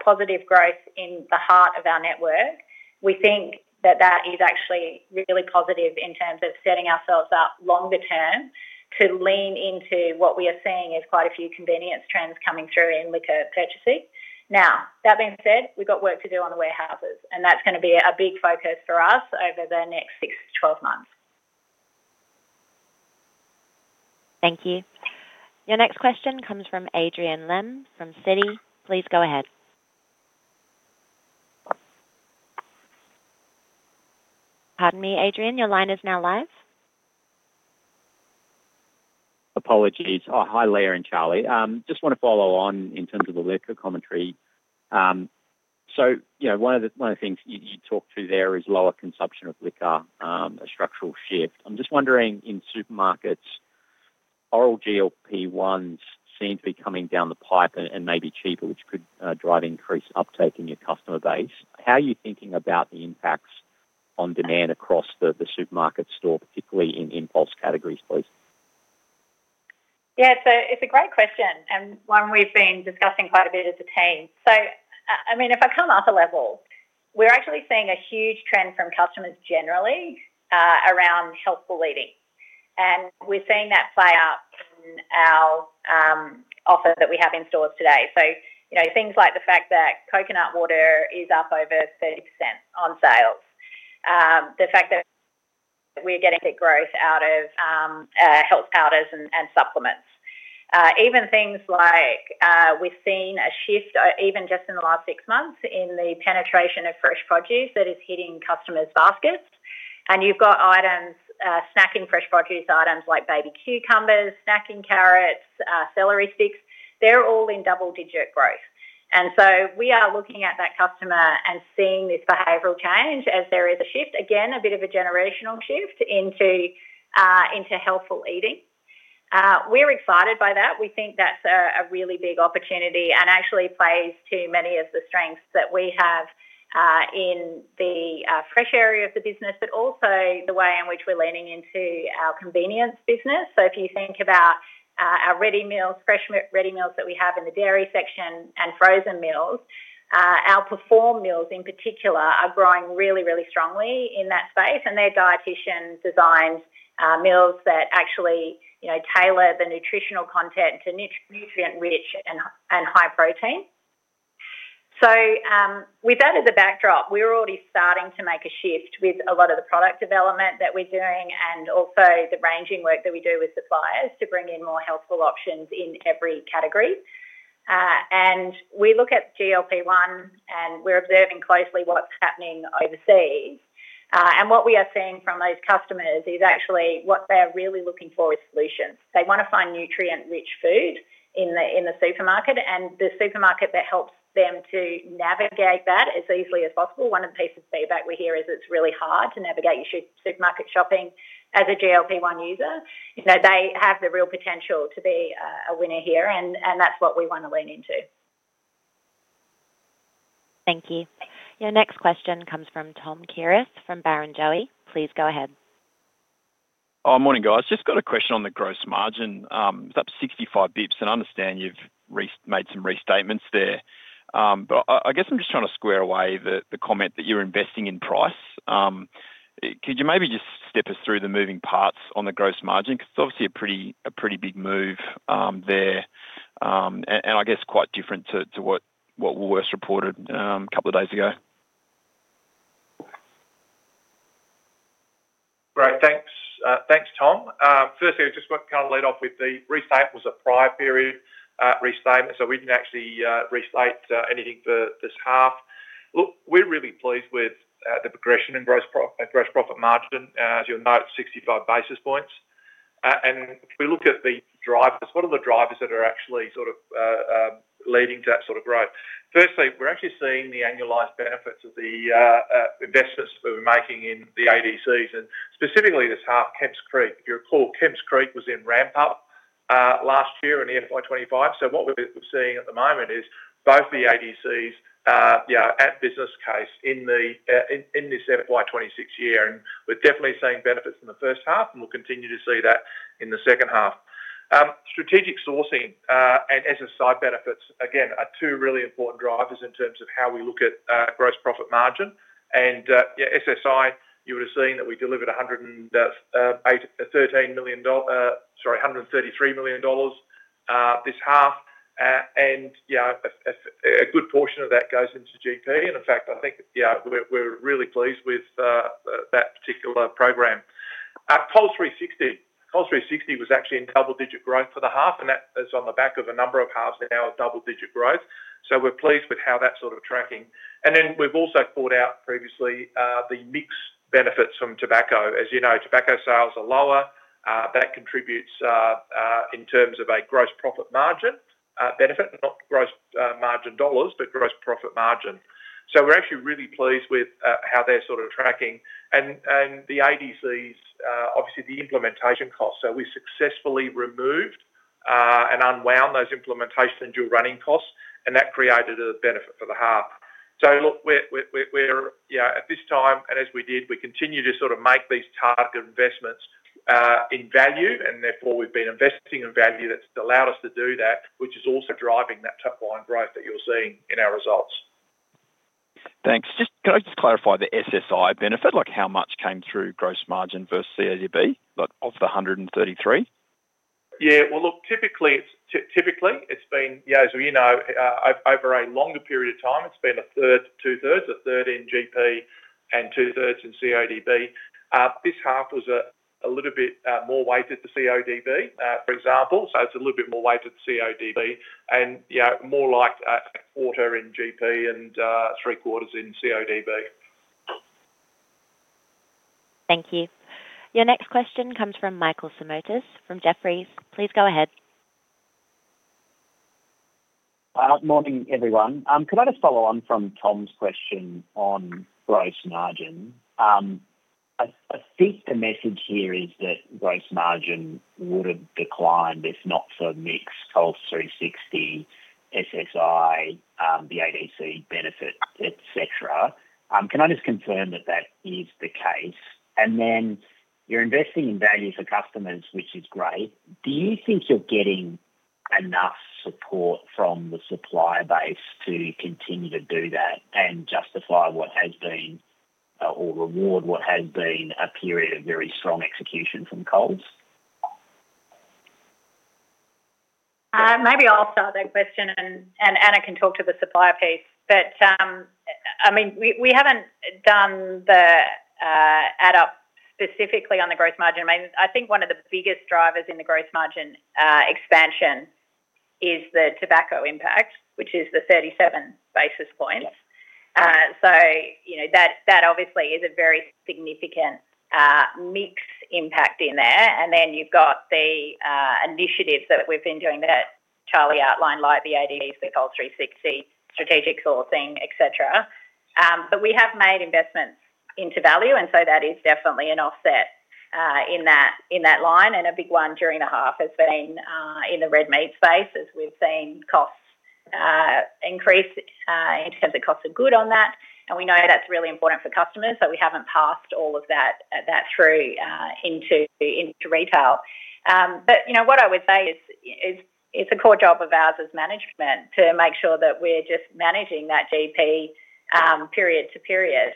positive growth in the heart of our network, we think that that is actually really positive in terms of setting ourselves up longer term to lean into what we are seeing as quite a few convenience trends coming through in liquor purchasing. Now, that being said, we've got work to do on the warehouses, and that's going to be a big focus for us over the next 6 to 12 months. Thank you. Your next question comes from Adrian Lemme from Citi. Please go ahead. Pardon me, Adrian, your line is now live. Apologies. Hi, Leah and Charlie. Just want to follow on in terms of the liquor commentary. One of the things you talked to there is lower consumption of liquor, a structural shift. I'm just wondering, in supermarkets, oral GLP-1s seem to be coming down the pipe and may be cheaper, which could drive increased uptake in your customer base. How are you thinking about the impacts on demand across the supermarket store, particularly in impulse categories, please? Yeah, it's a great question, and one we've been discussing quite a bit as a team. I mean, if I come up a level, we're actually seeing a huge trend from customers generally, around healthful living. We're seeing that play out in our offer that we have in stores today. You know, things like the fact that coconut water is up over 30% on sales, the fact that we're getting good growth out of health powders and supplements. Even things like, we've seen a shift, even just in the last six months, in the penetration of fresh produce that is hitting customers' baskets. You've got items, snacking fresh produce items like baby cucumbers, snacking carrots, celery sticks. They're all in double-digit growth. We are looking at that customer and seeing this behavioral change as there is a shift, again, a bit of a generational shift into healthful eating. We're excited by that. We think that's a really big opportunity and actually plays to many of the strengths that we have in the fresh area of the business, but also the way in which we're leaning into our convenience business. If you think about our ready meals, fresh meat ready meals that we have in the dairy section and frozen meals, our Perform meals, in particular, are growing really, really strongly in that space, and they're dietician-designed meals that actually, you know, tailor the nutritional content to nutrient-rich and high protein. With that as a backdrop, we're already starting to make a shift with a lot of the product development that we're doing and also the ranging work that we do with suppliers to bring in more healthful options in every category. We look at GLP-1, and we're observing closely what's happening overseas. What we are seeing from these customers is actually what they're really looking for is solutions. They want to find nutrient-rich food in the supermarket, and the supermarket that helps them to navigate that as easily as possible. One of the pieces of feedback we hear is it's really hard to navigate your supermarket shopping as a GLP-1 user. You know, they have the real potential to be a winner here, and that's what we want to lean into. Thank you. Your next question comes from Tom Kierath from Barrenjoey. Please go ahead. Morning, guys. Just got a question on the gross margin. It's up 65 basis points. I understand you've made some restatements there. I guess I'm just trying to square away the comment that you're investing in price. Could you maybe just step us through the moving parts on the gross margin? 'Cause it's obviously a pretty big move there, and I guess quite different to what Woolworths reported a couple of days ago. Great, thanks. Thanks, Tom. Firstly, I just want to kind of lead off with the restate was a prior period, restatement, so we didn't actually restate anything for this half. Look, we're really pleased with the progression in gross profit margin, as you'll note, 65 basis points. If we look at the drivers, what are the drivers that are actually sort of leading to that sort of growth? Firstly, we're actually seeing the annualized benefits of the investments that we're making in the ADCs, and specifically this half, Kemps Creek. If you recall, Kemps Creek was in ramp-up last year in the FY 2025. What we're seeing at the moment is both the ADCs are, you know, at business case in the FY 26 year, and we're definitely seeing benefits in the first half, and we'll continue to see that in the second half. Strategic sourcing and SSI benefits, again, are two really important drivers in terms of how we look at gross profit margin. SSI, you would have seen that we delivered AUD 133 million this half. And, you know, a good portion of that goes into GP, and in fact, I think, yeah, we're really pleased with that particular program. Coles 360. Coles 360 was actually in double-digit growth for the half. That is on the back of a number of halves in our double-digit growth. We're pleased with how that's sort of tracking. We've also called out previously the mix benefits from tobacco. As you know, tobacco sales are lower. That contributes in terms of a gross profit margin benefit, not gross margin dollars, but gross profit margin. We're actually really pleased with how they're sort of tracking. The ADCs, obviously, the implementation costs. We successfully removed and unwound those implementation and dual running costs, and that created a benefit for the half. Look, we're, you know, at this time, and as we did, we continue to sort of make these targeted investments in value, and therefore, we've been investing in value that's allowed us to do that, which is also driving that top-line growth that you're seeing in our results. Thanks. Can I just clarify the SSI benefit? Like, how much came through gross margin versus CODB, like, of the 133? Yeah, well, look, typically, it's been, yeah, as we know, over a longer period of time, it's been a third, two-thirds, a third in GP and two-thirds in CODB. This half was a little bit more weighted to CODB, for example, so it's a little bit more weighted to CODB and, yeah, more like a quarter in GP and three-quarters in CODB. Thank you. Your next question comes from Michael Simotas from Jefferies. Please go ahead. Morning, everyone. Could I just follow on from Tom's question on gross margin? I think the message here is that gross margin would have declined if not for mix, Coles 360, SSI, the ADC benefit, et cetera. Can I just confirm that that is the case? You're investing in value for customers, which is great. Do you think you're getting enough support from the supplier base to continue to do that and justify what has been or reward what has been a period of very strong execution from Coles? Maybe I'll start that question. Anna can talk to the supplier piece. I mean, we haven't done the add up specifically on the gross margin. I mean, I think one of the biggest drivers in the gross margin expansion is the tobacco impact, which is the 37 basis points. You know, that obviously is a very significant mix impact in there. Then you've got the initiatives that we've been doing that Charlie outlined, like the ADCs with Coles 360, strategic sourcing, et cetera. We have made investments into value, and so that is definitely an offset in that, in that line, and a big one during the half has been in the red meat space, as we've seen costs increase in terms of cost of good on that. We know that's really important for customers, so we haven't passed all of that through, into retail. You know, what I would say is it's a core job of ours as management to make sure that we're just managing that GP, period to period.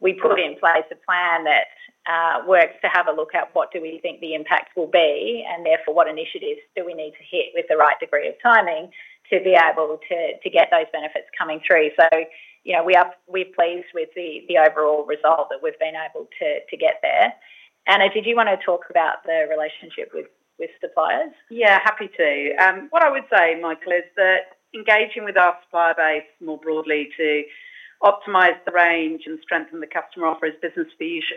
We put in place a plan that works to have a look at what do we think the impact will be, and therefore, what initiatives do we need to hit with the right degree of timing to get those benefits coming through. You know, we're pleased with the overall result that we've been able to get there. Anna, did you want to talk about the relationship with suppliers? Yeah, happy to. What I would say, Michael, is that engaging with our supplier base more broadly to optimize the range and strengthen the customer offer is business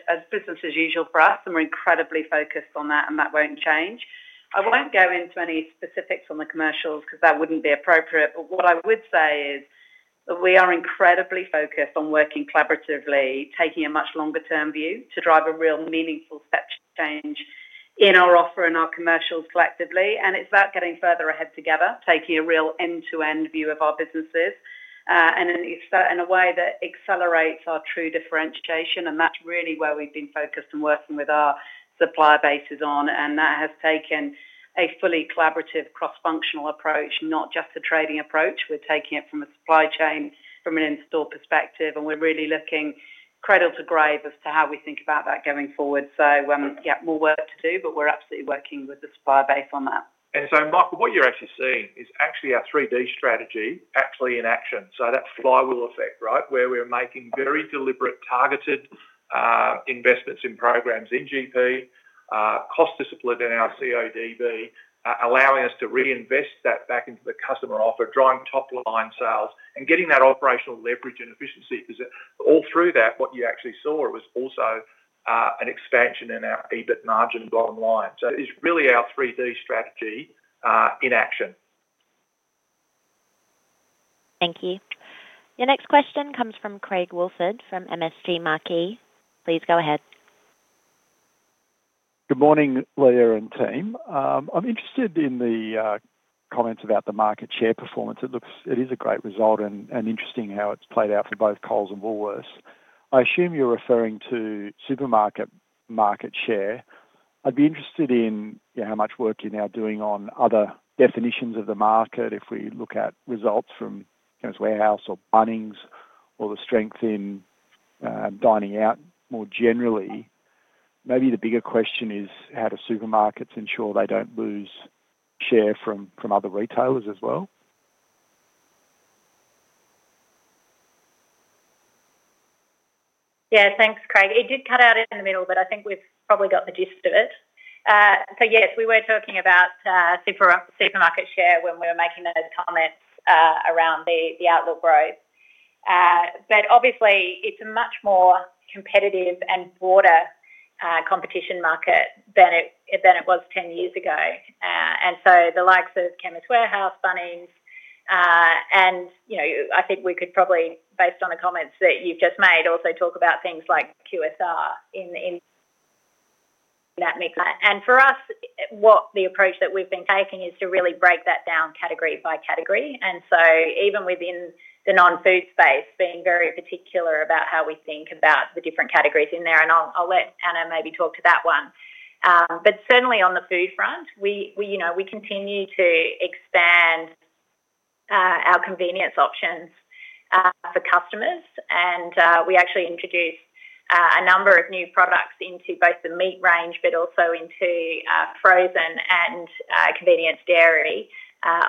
as usual for us, and we're incredibly focused on that, and that won't change. I won't go into any specifics on the commercials because that wouldn't be appropriate, but what I would say is we are incredibly focused on working collaboratively, taking a much longer-term view to drive a real meaningful step change in our offer and our commercials collectively. It's about getting further ahead together, taking a real end-to-end view of our businesses, in a way that accelerates our true differentiation, and that's really where we've been focused and working with our supplier bases on. That has taken a fully collaborative, cross-functional approach, not just a trading approach. We're taking it from a supply chain, from an in-store perspective, and we're really looking cradle to grave as to how we think about that going forward. Yeah, more work to do, but we're absolutely working with the supplier base on that. Michael, what you're actually seeing is actually our 3D strategy actually in action. That flywheel effect, right? Where we're making very deliberate, targeted, investments in programs in GP, cost discipline in our CODB, allowing us to reinvest that back into the customer offer, driving top-line sales and getting that operational leverage and efficiency. All through that, what you actually saw was also, an expansion in our EBIT margin bottom line. It's really our 3D strategy, in action. Thank you. Your next question comes from Craig Woolford, from MST Marquee. Please go ahead. Good morning, Leah and team. I'm interested in the comments about the market share performance. It is a great result and interesting how it's played out for both Coles and Woolworths. I assume you're referring to supermarket market share. I'd be interested in, you know, how much work you're now doing on other definitions of the market. If we look at results from Chemist Warehouse or Bunnings, or the strength in dining out more generally. Maybe the bigger question is, how do supermarkets ensure they don't lose share from other retailers as well? Yeah, thanks, Craig. It did cut out in the middle, but I think we've probably got the gist of it. Yes, we were talking about supermarket share when we were making those comments around the outlook growth. Obviously, it's a much more competitive and broader competition market than it was 10 years ago. The likes of Chemist Warehouse, Bunnings, and, you know, I think we could probably, based on the comments that you've just made, also talk about things like QSR in that mix. For us, what the approach that we've been taking is to really break that down category by category. Even within the non-food space, being very particular about how we think about the different categories in there, and I'll let Anna maybe talk to that one. Certainly on the food front, we, you know, we continue to expand our convenience options for customers. We actually introduced a number of new products into both the meat range, but also into frozen and convenience dairy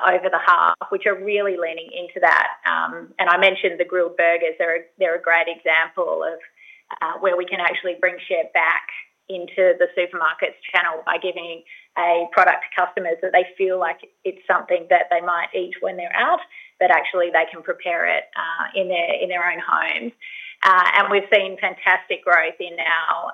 over the half, which are really leaning into that. I mentioned the Grill'd burgers. They're a great example of where we can actually bring share back into the supermarket's channel by giving a product to customers that they feel like it's something that they might eat when they're out, but actually they can prepare it in their own home. We've seen fantastic growth in our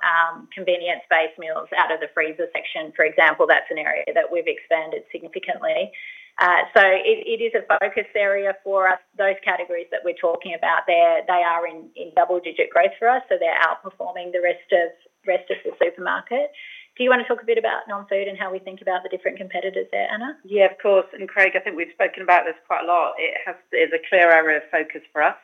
convenience-based meals out of the freezer section, for example. That's an area that we've expanded significantly. It is a focus area for us. Those categories that we're talking about, they are in double-digit growth for us. They're outperforming the rest of the supermarket. Do you want to talk a bit about non-food and how we think about the different competitors there, Anna? Yeah, of course. Craig, I think we've spoken about this quite a lot. It has, is a clear area of focus for us.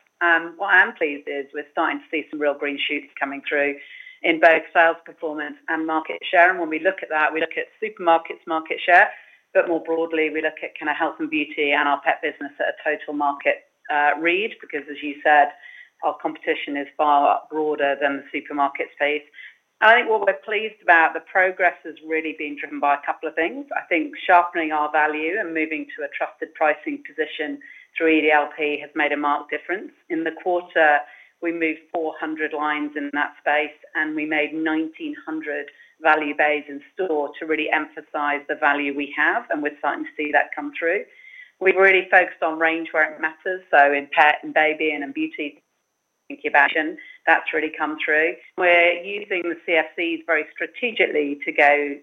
What I am pleased is we're starting to see some real green shoots coming through in both sales, performance, and market share. When we look at that, we look at supermarkets market share, but more broadly, we look at kind of health and beauty and our pet business at a total market read, because as you said, our competition is far broader than the supermarket space. I think what we're pleased about, the progress has really been driven by a couple of things. I think sharpening our value and moving to a trusted pricing position through EDLP has made a marked difference. In the quarter, we moved 400 lines in that space, and we made 1,900 value bays in store to really emphasize the value we have, and we're starting to see that come through. We've really focused on range where it matters, so in pet and baby and in beauty incubation, that's really come through. We're using the CFCs very strategically to go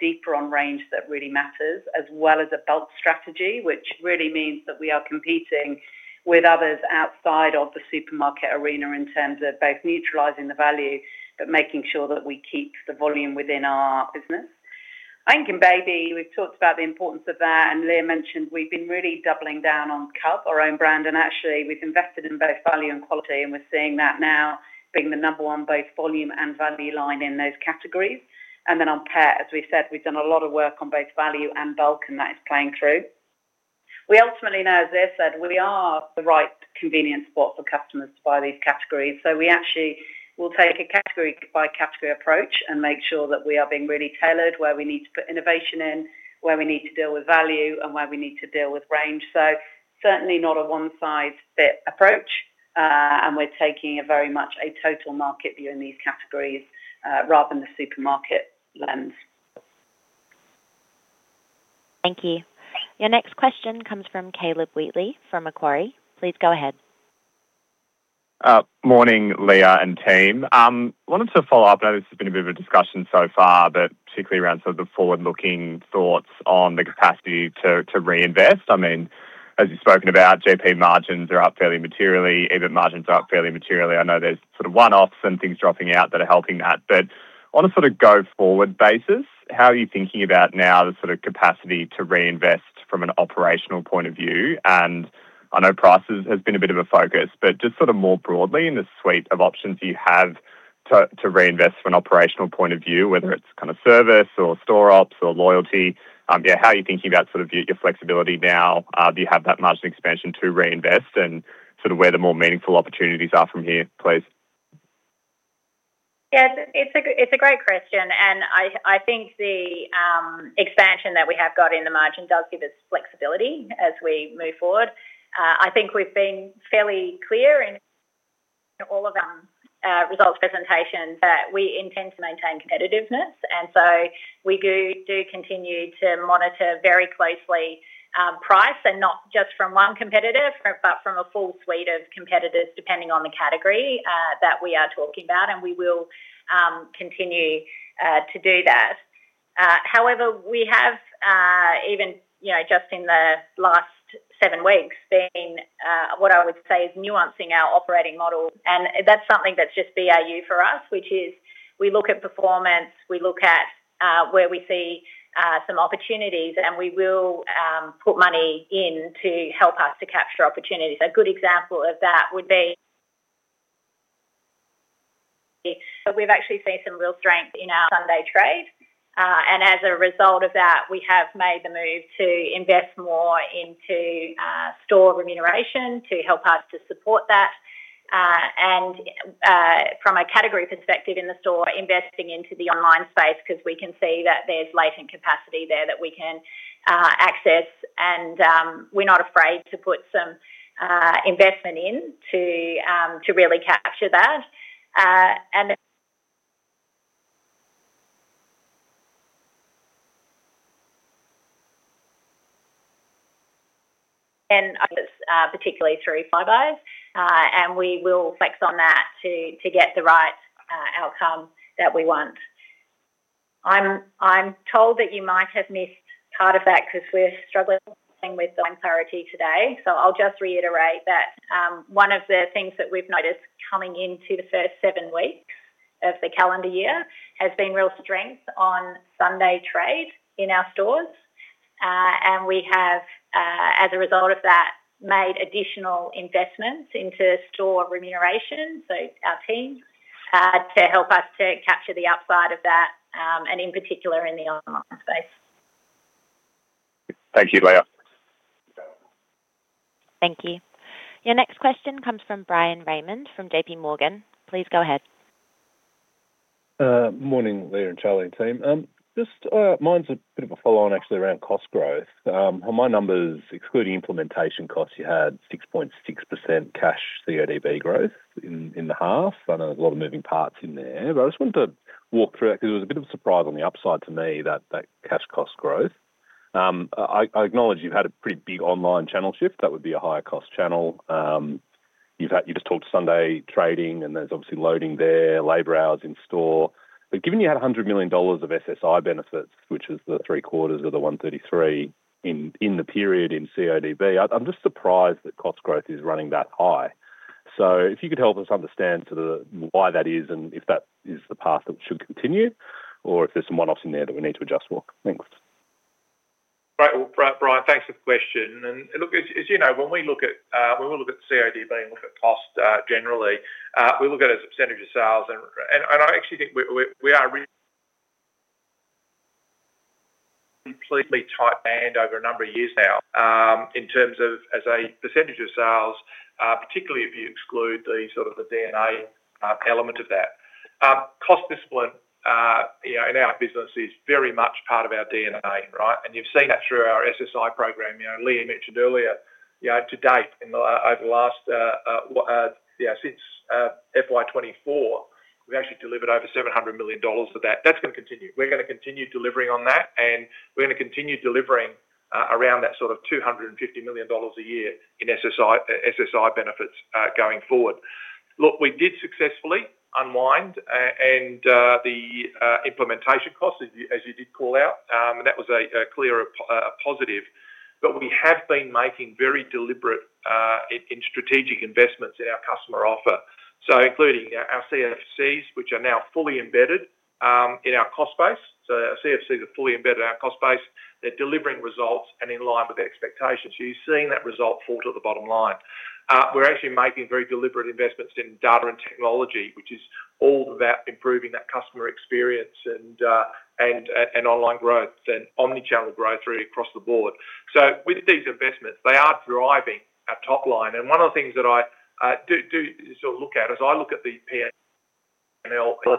deeper on range that really matters, as well as a belt strategy, which really means that we are competing with others outside of the supermarket arena in terms of both neutralizing the value, but making sure that we keep the volume within our business. I think in baby, we've talked about the importance of that. Leah mentioned we've been really doubling down on CUB, our own brand, and actually we've invested in both value and quality, and we're seeing that now being the number one both volume and value line in those categories. On pet, as we've said, we've done a lot of work on both value and bulk, and that is playing through. We ultimately know, as Leah said, we are the right convenience spot for customers to buy these categories. We actually will take a category-by-category approach and make sure that we are being really tailored where we need to put innovation in, where we need to deal with value, and where we need to deal with range. Certainly not a one-size-fit approach, and we're taking a very much a total market view in these categories, rather than the supermarket lens. Thank you. Your next question comes from Caleb Wheatley from Macquarie. Please go ahead. Morning, Leah and team. Wanted to follow up. I know this has been a bit of a discussion so far, but particularly around sort of the forward-looking thoughts on the capacity to reinvest. I mean, as you've spoken about, GP margins are up fairly materially. EBIT margins are up fairly materially. I know there's sort of one-offs and things dropping out that are helping that, but on a sort of go-forward basis, how are you thinking about now the sort of capacity to reinvest from an operational point of view? I know prices has been a bit of a focus, but just sort of more broadly, in the suite of options you have to reinvest from an operational point of view, whether it's kind of service or store ops or loyalty. Yeah, how are you thinking about sort of your flexibility now? Do you have that margin expansion to reinvest and sort of where the more meaningful opportunities are from here, please? Yeah, it's a great question. I think the expansion that we have got in the margin does give us flexibility as we move forward. I think we've been fairly clear in all of our results presentations that we intend to maintain competitiveness. We do continue to monitor very closely price and not just from one competitor, but from a full suite of competitors, depending on the category that we are talking about. We will continue to do that. However, we have, even, you know, just in the last seven weeks, been what I would say is nuancing our operating model. That's something that's just BAU for us, which is we look at performance, we look at where we see some opportunities. We will put money in to help us to capture opportunities. A good example of that would be. We've actually seen some real strength in our Sunday trade. As a result of that, we have made the move to invest more into store remuneration to help us to support that. From a category perspective in the store, investing into the online space, ’cause we can see that there's latent capacity there that we can access. We're not afraid to put some investment in to really capture that. Particularly through flybuys, and we will flex on that to get the right outcome that we want. I'm told that you might have missed part of that, 'cause we're struggling with the authority today. I'll just reiterate that one of the things that we've noticed coming into the first seven weeks of the calendar year has been real strength on Sunday trade in our stores. We have as a result of that, made additional investments into store remuneration to help us to capture the upside of that, and in particular, in the online space. Thank you, Leah. Thank you. Your next question comes from Bryan Raymond from JPMorgan. Please go ahead. Morning, Leah, and Charlie, and team. Mine's a bit of a follow-on actually around cost growth. My numbers, excluding implementation costs, you had 6.6% cash CODB growth in the half. I know there's a lot of moving parts in there, but I just wanted to walk through it because it was a bit of a surprise on the upside to me, that cash cost growth. I acknowledge you've had a pretty big online channel shift. That would be a higher-cost channel. You just talked Sunday trading, and there's obviously loading there, labor hours in store. Given you had 100 million dollars of SSI benefits, which is the three-quarters of the 133 in the period in CODB, I'm just surprised that cost growth is running that high. If you could help us understand sort of why that is and if that is the path that should continue, or if there's some one-offs in there that we need to adjust for. Thanks. Great. Brian, thanks for the question, as you know, when we look at CODB and look at costs generally, we look at it as a % of sales, I actually think we are completely tight band over a number of years now, in terms of as a % of sales, particularly if you exclude the sort of the D&A element of that. Cost discipline, you know, in our business is very much part of our D&A, right? You've seen that through our SSI program. You know, Leah mentioned earlier, you know, to date, in the over the last, since FY 2024, we've actually delivered over 700 million dollars for that. That's gonna continue. We're gonna continue delivering on that, and we're gonna continue delivering around that sort of 250 million dollars a year in SSI benefits going forward. Look, we did successfully unwind the implementation costs, as you did call out, and that was a clear positive. We have been making very deliberate in strategic investments in our customer offer. Including, you know, our CFCs, which are now fully embedded in our cost base. Our CFCs are fully embedded in our cost base. They're delivering results and in line with the expectations. You've seen that result fall to the bottom line. We're actually making very deliberate investments in data and technology, which is all about improving that customer experience and online growth and omnichannel growth really across the board. With these investments, they are driving our top line, and one of the things that I do sort of look at is I look at the PNL, you know,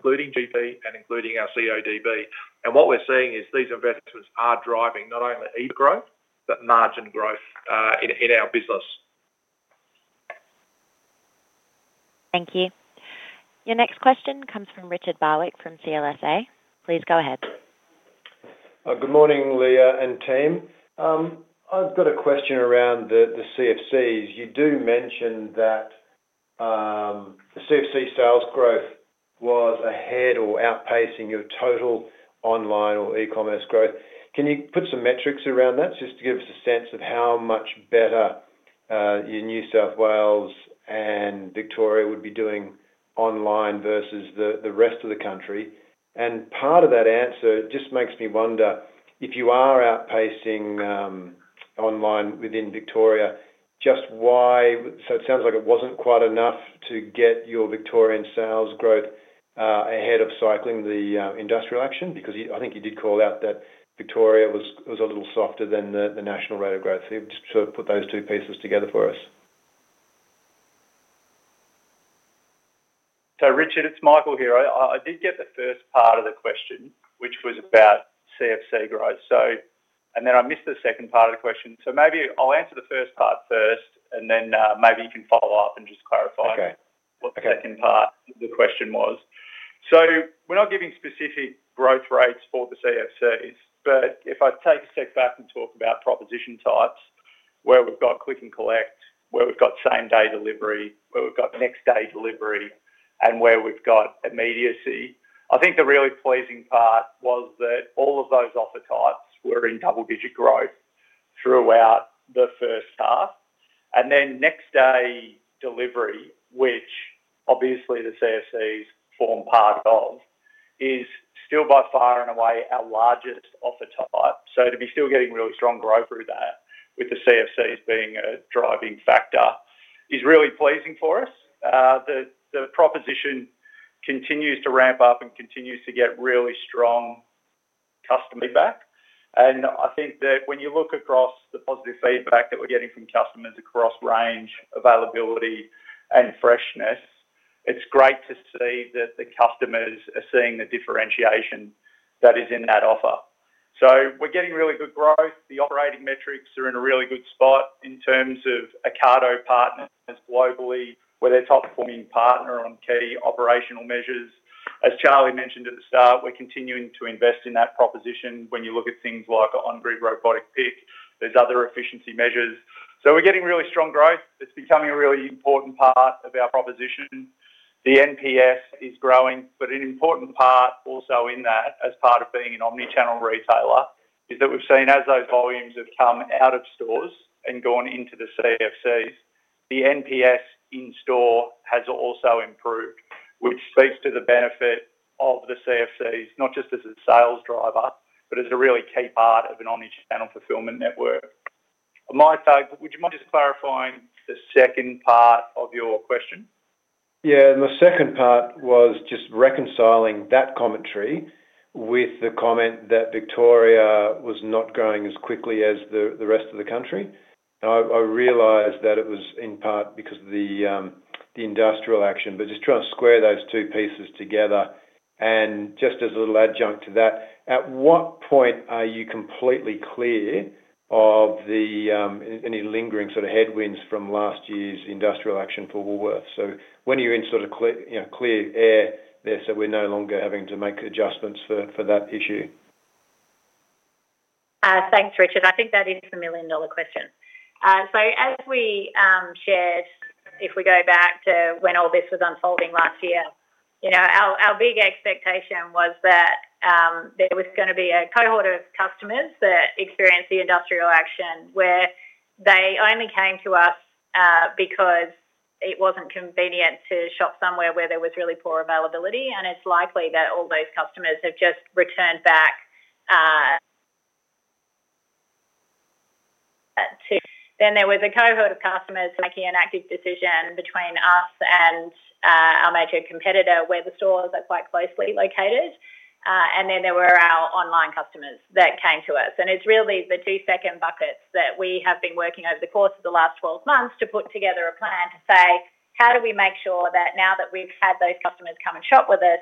including GP and including our CODB. What we're seeing is these investments are driving not only EVA growth, but margin growth in our business. Thank you. Your next question comes from Richard Barwick from CLSA. Please go ahead. Good morning, Leah and team. I've got a question around the CFCs. You do mention that the CFC sales growth was ahead or outpacing your total online or e-commerce growth. Can you put some metrics around that, just to give us a sense of how much better your New South Wales and Victoria would be doing online versus the rest of the country? Part of that answer just makes me wonder if you are outpacing online within Victoria, so it sounds like it wasn't quite enough to get your Victorian sales growth ahead of cycling the industrial action, because you, I think you did call out that Victoria was a little softer than the national rate of growth. Just to put those two pieces together for us. Richard, it's Michael here. I did get the first part of the question, which was about CFC growth. I missed the second part of the question. Maybe I'll answer the first part first, and then maybe you can follow up and just clarify. Okay. what the second part of the question was. We're not giving specific growth rates for the CFCs, but if I take a step back and talk about proposition types, where we've got click and collect, where we've got same-day delivery, where we've got next-day delivery, and where we've got immediacy, I think the really pleasing part was that all of those offer types were in double-digit growth throughout the first half. Next day delivery, which obviously the CFCs form part of, is still by far and away our largest offer type. To be still getting really strong growth through that, with the CFCs being a driving factor, is really pleasing for us. The proposition continues to ramp up and continues to get really strong customer feedback. I think that when you look across the positive feedback that we're getting from customers across range, availability, and freshness, it's great to see that the customers are seeing the differentiation that is in that offer. We're getting really good growth. The operating metrics are in a really good spot in terms of Ocado partners globally, where they're a top-performing partner on key operational measures. As Charlie mentioned at the start, we're continuing to invest in that proposition. When you look at things like on-grid robotic pick, there's other efficiency measures. We're getting really strong growth. It's becoming a really important part of our proposition. The NPS is growing, but an important part also in that, as part of being an omnichannel retailer, is that we've seen as those volumes have come out of stores and gone into the CFCs, the NPS in-store has also improved, which speaks to the benefit of the CFCs, not just as a sales driver, but as a really key part of an omnichannel fulfillment network. My side, would you mind just clarifying the second part of your question? The second part was just reconciling that commentary with the comment that Victoria was not growing as quickly as the rest of the country. I realized that it was in part because of the industrial action, but just trying to square those two pieces together. Just as a little adjunct to that, at what point are you completely clear of the any lingering sort of headwinds from last year's industrial action for Woolworths? When are you in sort of clear, you know, clear air there, so we're no longer having to make adjustments for that issue? Thanks, Richard. I think that is the million-dollar question. As we shared, if we go back to when all this was unfolding last year, you know, our big expectation was that there was gonna be a cohort of customers that experienced the industrial action, where they only came to us because it wasn't convenient to shop somewhere where there was really poor availability, and it's likely that all those customers have just returned back. There was a cohort of customers making an active decision between us and our major competitor, where the stores are quite closely located. There were our online customers that came to us, and it's really the two second buckets that we have been working over the course of the last 12 months to put together a plan to say: How do we make sure that now that we've had those customers come and shop with us,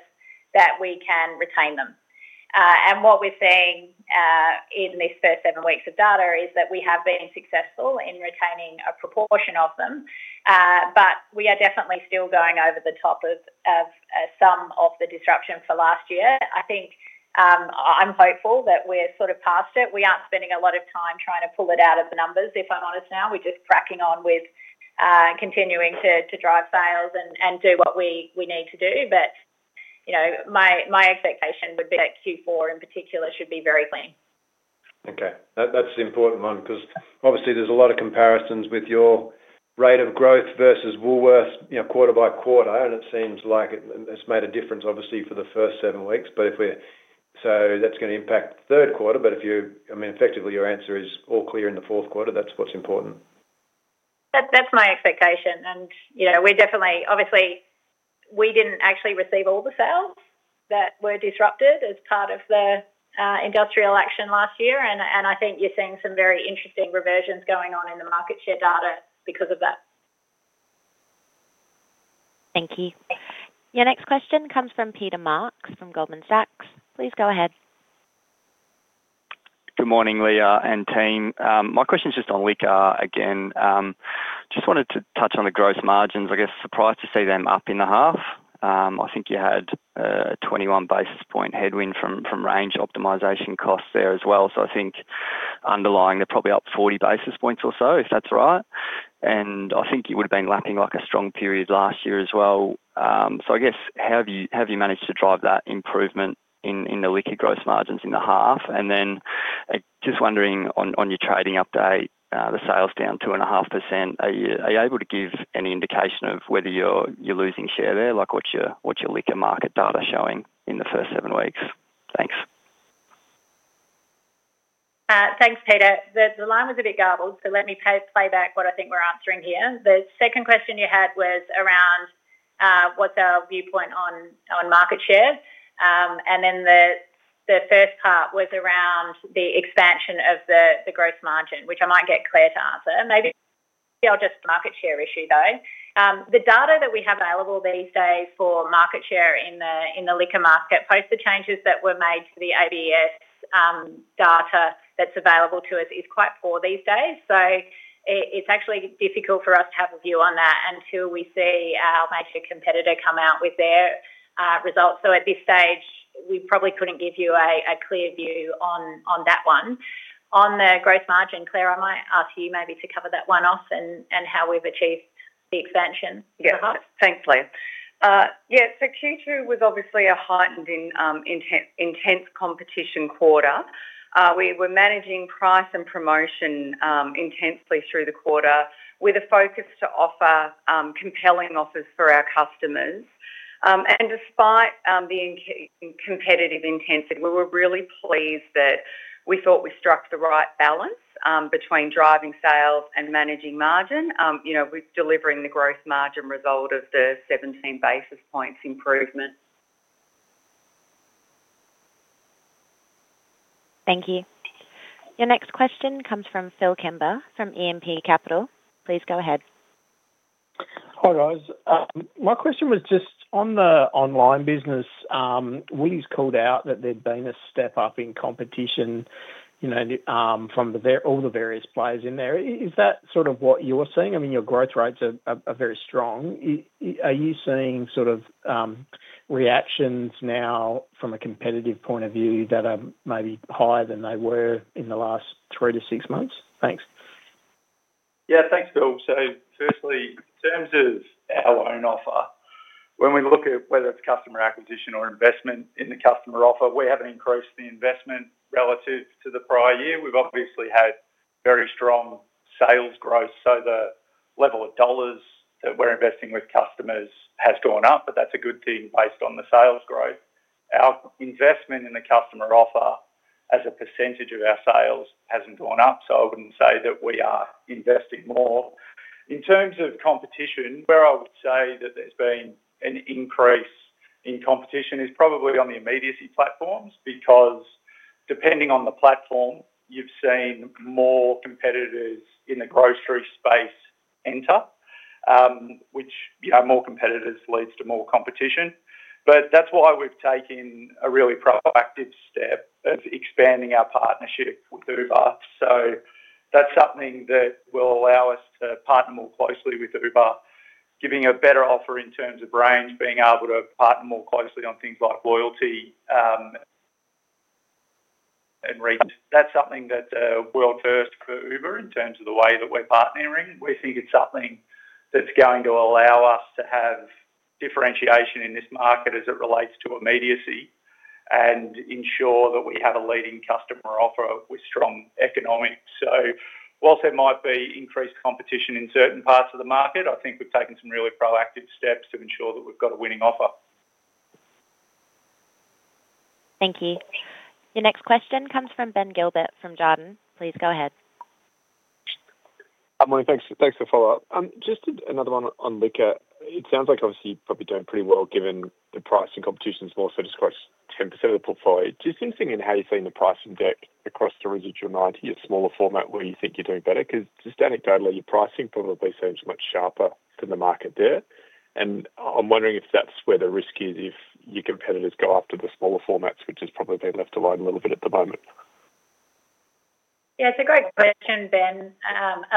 that we can retain them? What we're seeing in these first seven weeks of data is that we have been successful in retaining a proportion of them. We are definitely still going over the top of some of the disruption for last year. I think, I'm hopeful that we're sort of past it. We aren't spending a lot of time trying to pull it out of the numbers, if I'm honest now. We're just cracking on with continuing to drive sales and do what we need to do. You know, my expectation would be that Q4, in particular, should be very clean. Okay, that's the important one because obviously there's a lot of comparisons with your rate of growth versus Woolworths, you know, quarter by quarter, and it seems like it's made a difference, obviously, for the first seven weeks. That's gonna impact the third quarter. I mean, effectively, your answer is all clear in the fourth quarter, that's what's important. That's my expectation, and, you know, we're definitely obviously, we didn't actually receive all the sales that were disrupted as part of the industrial action last year, and I think you're seeing some very interesting reversions going on in the market share data because of that. Thank you. Your next question comes from Peter Marks from Goldman Sachs. Please go ahead. Good morning, Leah and team. My question is just on liquor again. Just wanted to touch on the gross margins. I guess surprised to see them up in the half. I think you had a 21 basis point headwind from range optimization costs there as well. I think underlying, they're probably up 40 basis points or so, if that's right. I think you would have been lapping like a strong period last year as well. I guess, how have you managed to drive that improvement in the liquor gross margins in the half? Just wondering on your trading update, the sales down 2.5%, are you able to give any indication of whether you're losing share there? Like, what's your, what's your liquor market data showing in the first seven weeks? Thanks. Thanks, Peter. The line was a bit garbled, so let me play back what I think we're answering here. The second question you had was around what's our viewpoint on market share. The first part was around the expansion of the gross margin, which I might get Claire to answer. Maybe I'll just market share issue, though. The data that we have available these days for market share in the liquor market, post the changes that were made to the ABS data that's available to us, is quite poor these days. It's actually difficult for us to have a view on that until we see our major competitor come out with their results. At this stage, we probably couldn't give you a clear view on that one. On the gross margin, Claire, I might ask you maybe to cover that one off and how we've achieved the expansion. Thanks, Leah. Q2 was obviously a heightened intense competition quarter. We were managing price and promotion intensely through the quarter with a focus to offer compelling offers for our customers. Despite the competitive intensity, we were really pleased that we thought we struck the right balance between driving sales and managing margin, you know, with delivering the growth margin result of the 17 basis points improvement. Thank you. Your next question comes from Phillip Kimber from E&P Capital. Please go ahead. Hi, guys. My question was just on the online business. Woolworths called out that there'd been a step up in competition, you know, from all the various players in there. Is that sort of what you're seeing? I mean, your growth rates are very strong. Are you seeing sort of, reactions now from a competitive point of view that are maybe higher than they were in the last three to six months? Thanks. Yeah. Thanks, Phillip Kimber. Firstly, in terms of our own offer, when we look at whether it's customer acquisition or investment in the customer offer, we haven't increased the investment relative to the prior year. We've obviously had very strong sales growth. The level of dollars that we're investing with customers has gone up. That's a good thing based on the sales growth. Our investment in the customer offer as a percentage of our sales hasn't gone up, so I wouldn't say that we are investing more. In terms of competition, where I would say that there's been an increase in competition is probably on the immediacy platforms, because depending on the platform, you've seen more competitors in the grocery space enter, which, you know, more competitors leads to more competition. That's why we've taken a really proactive step of expanding our partnership with Uber. That's something that will allow us to partner more closely with Uber, giving a better offer in terms of range, being able to partner more closely on things like loyalty, and reach. That's something that's a world first for Uber in terms of the way that we're partnering. We think it's something that's going to allow us to have differentiation in this market as it relates to immediacy and ensure that we have a leading customer offer with strong economics. While there might be increased competition in certain parts of the market, I think we've taken some really proactive steps to ensure that we've got a winning offer. Thank you. Your next question comes from Ben Gilbert from Jarden. Please go ahead. Hi. Morning. Thanks for the follow-up. Just another one on Liquor. It sounds like obviously you're probably doing pretty well, given the pricing competition is more so just across 10% of the portfolio. Just interesting in how you're seeing the pricing deck across the residual 90%, a smaller format, where you think you're doing better, 'cause just anecdotally, your pricing probably seems much sharper than the market there. I'm wondering if that's where the risk is if your competitors go after the smaller formats, which has probably been left alone a little bit at the moment. Yeah, it's a great question, Ben.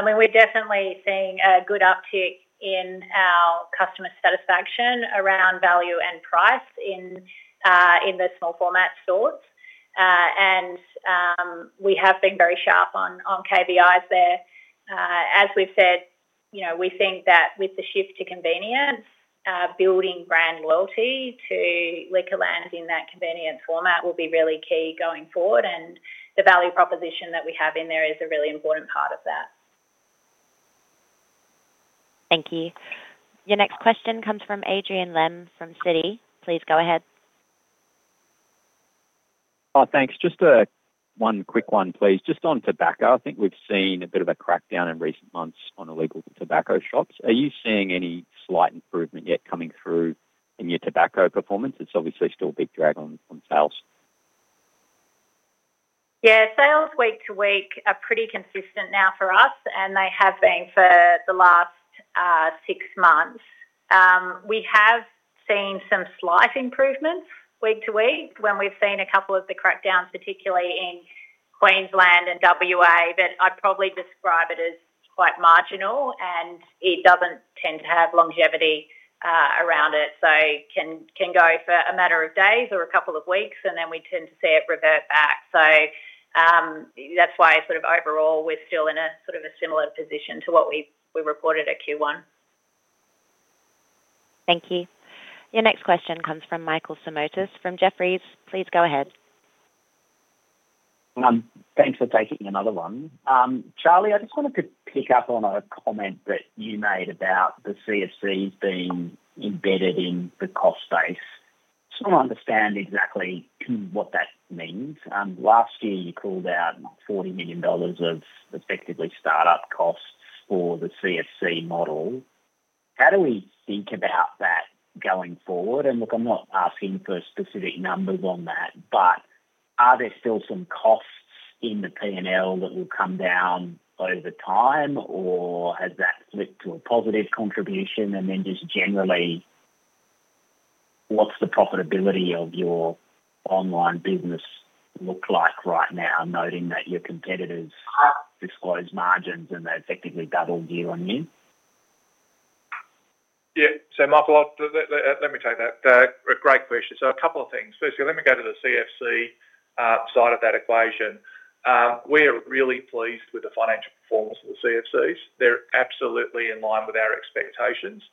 We're definitely seeing a good uptick in our customer satisfaction around value and price in the small format stores. We have been very sharp on KBIs there. As we've said, you know, we think that with the shift to convenience, building brand loyalty to LiquorLand in that convenient format will be really key going forward, and the value proposition that we have in there is a really important part of that. Thank you. Your next question comes from Adrian Lemme from Citi. Please go ahead. Oh, thanks. Just, one quick one, please. Just on tobacco, I think we've seen a bit of a crackdown in recent months on illegal tobacco shops. Are you seeing any slight improvement yet coming through in your tobacco performance? It's obviously still a big drag on sales. Sales week to week are pretty consistent now for us. They have been for the last 6 months. We have seen some slight improvements week to week, when we've seen a couple of the crackdowns, particularly in Queensland and WA. I'd probably describe it as quite marginal, and it doesn't tend to have longevity around it. It can go for a matter of days or a couple of weeks, and then we tend to see it revert back. That's why sort of overall, we're still in a sort of a similar position to what we reported at Q1. Thank you. Your next question comes from Michael Simotas from Jefferies. Please go ahead. Thanks for taking another one. Charlie, I just wanted to pick up on a comment that you made about the CFCs being embedded in the cost base. Just want to understand exactly what that means. Last year, you called out AUD 40 million of effectively start-up costs for the CFC model. How do we think about that going forward? Look, I'm not asking for specific numbers on that, but are there still some costs in the P&L that will come down over time, or has that flipped to a positive contribution? Then just generally, what's the profitability of your online business look like right now, noting that your competitors disclose margins and they're effectively double year-on-year? Yeah. Michael, let me take that. A great question. A couple of things. Firstly, let me go to the CFC side of that equation. We're really pleased with the financial performance of the CFCs. They're absolutely in line with our expectations.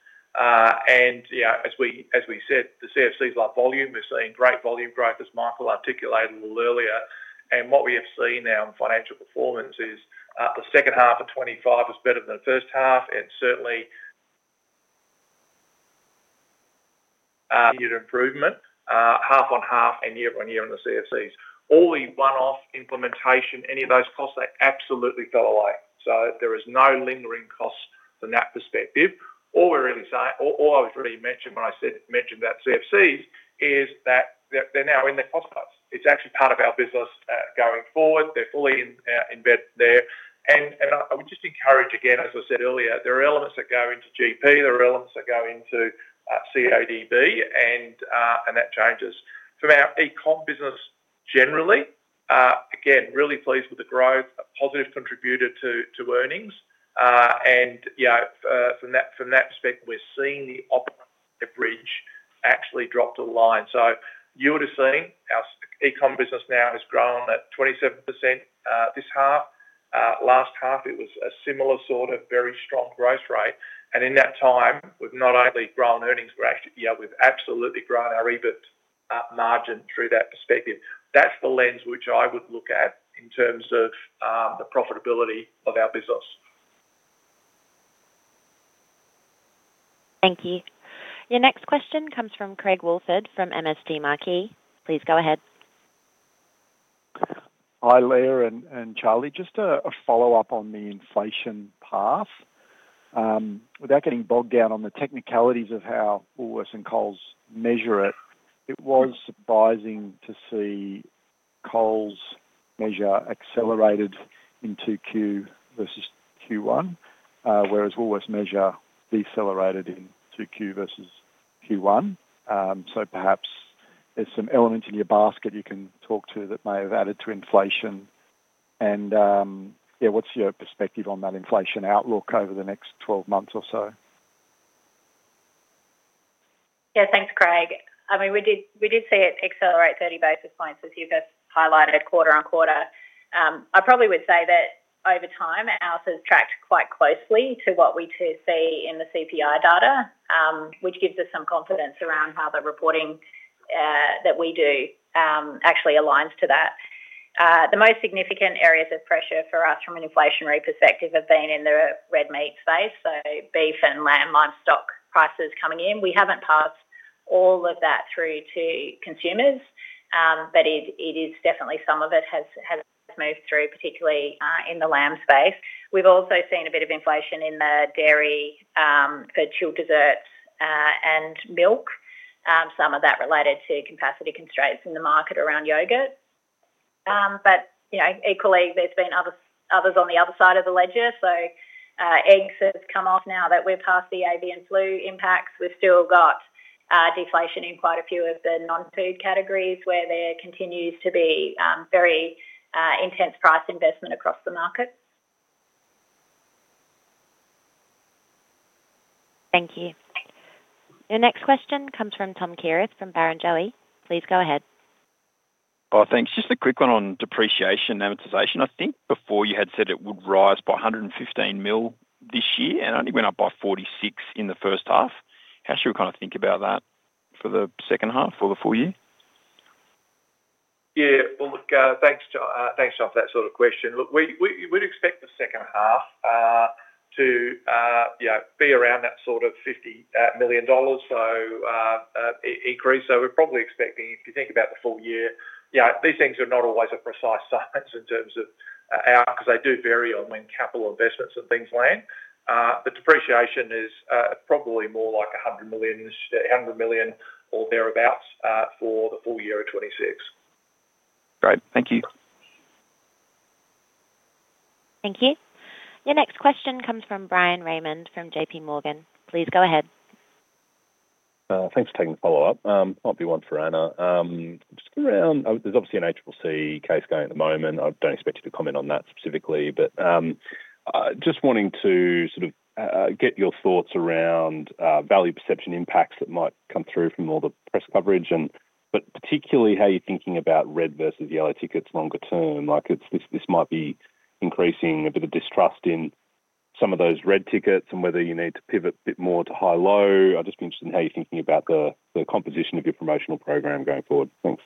You know, as we said, the CFC is like volume. We're seeing great volume growth, as Michael articulated a little earlier. What we have seen now in financial performance is the second half of 25 is better than the first half, and certainly, unit improvement half on half and year on year on the CFCs. All the one-off implementation, any of those costs, they absolutely fell away. There is no lingering cost from that perspective. All we're really saying, or all I've really mentioned when I said about CFCs, is that they're now in the cost cut. It's actually part of our business going forward. They're fully in embed there. I would just encourage, again, as I said earlier, there are elements that go into GP, there are elements that go into CODB, and that changes. From our e-commerce business, generally, again, really pleased with the growth, a positive contributor to earnings. You know, from that perspective, we're seeing the op bridge actually drop to the line. You would have seen our e-commerce business now has grown at 27% this half. Last half, it was a similar sort of very strong growth rate. In that time, we've not only grown earnings, we're actually, you know, we've absolutely grown our EBIT margin through that perspective. That's the lens which I would look at in terms of the profitability of our business. Thank you. Your next question comes from Craig Woolford from MST Marquee. Please go ahead. Hi, Leah and Charlie. Just a follow-up on the inflation path. Without getting bogged down on the technicalities of how Woolworths and Coles measure it was surprising to see Coles measure accelerated in 2Q versus Q1, whereas Woolworths measure decelerated in 2Q versus Q1. Perhaps there's some elements in your basket you can talk to that may have added to inflation, and, yeah, what's your perspective on that inflation outlook over the next 12 months or so? Thanks, Craig. I mean, we did see it accelerate 30 basis points, as you just highlighted, quarter-on-quarter. I probably would say that over time, ours has tracked quite closely to what we too see in the CPI data, which gives us some confidence around how the reporting that we do actually aligns to that. The most significant areas of pressure for us from an inflationary perspective have been in the red meat space, so beef and lamb livestock prices coming in. We haven't passed all of that through to consumers, but it is definitely some of it has moved through, particularly in the lamb space. We've also seen a bit of inflation in the dairy for chilled desserts and milk. Some of that related to capacity constraints in the market around yogurt. You know, equally, there's been others on the other side of the ledger. Eggs have come off now that we're past the avian flu impacts. We've still got deflation in quite a few of the non-food categories, where there continues to be very intense price investment across the markets. Thank you. Your next question comes from Tom Kierath from Barrenjoey. Please go ahead. Oh, thanks. Just a quick one on depreciation and amortization. I think before you had said it would rise by 115 mil this year, and only went up by 46 mil in the first half. How should we kind of think about that for the second half or the full year? Well, look, thanks, Tom, for that sort of question. We'd expect the second half to, you know, be around that sort of $50 million, increase. We're probably expecting, if you think about the full year, you know, these things are not always a precise science in terms of because they do vary on when capital investments and things land. But depreciation is probably more like $100 million or thereabout for the full year of 2026. Great. Thank you. Thank you. Your next question comes from Bryan Raymond, from JPMorgan. Please go ahead. Thanks for taking the follow-up. Might be one for Anna. There's obviously an ACCC case going at the moment. I don't expect you to comment on that specifically, but just wanting to get your thoughts around value perception impacts that might come through from all the press coverage, particularly how you're thinking about red versus yellow tickets longer term. This might be increasing a bit of distrust in some of those red tickets and whether you need to pivot a bit more to high-low. I'm just interested in how you're thinking about the composition of your promotional program going forward. Thanks.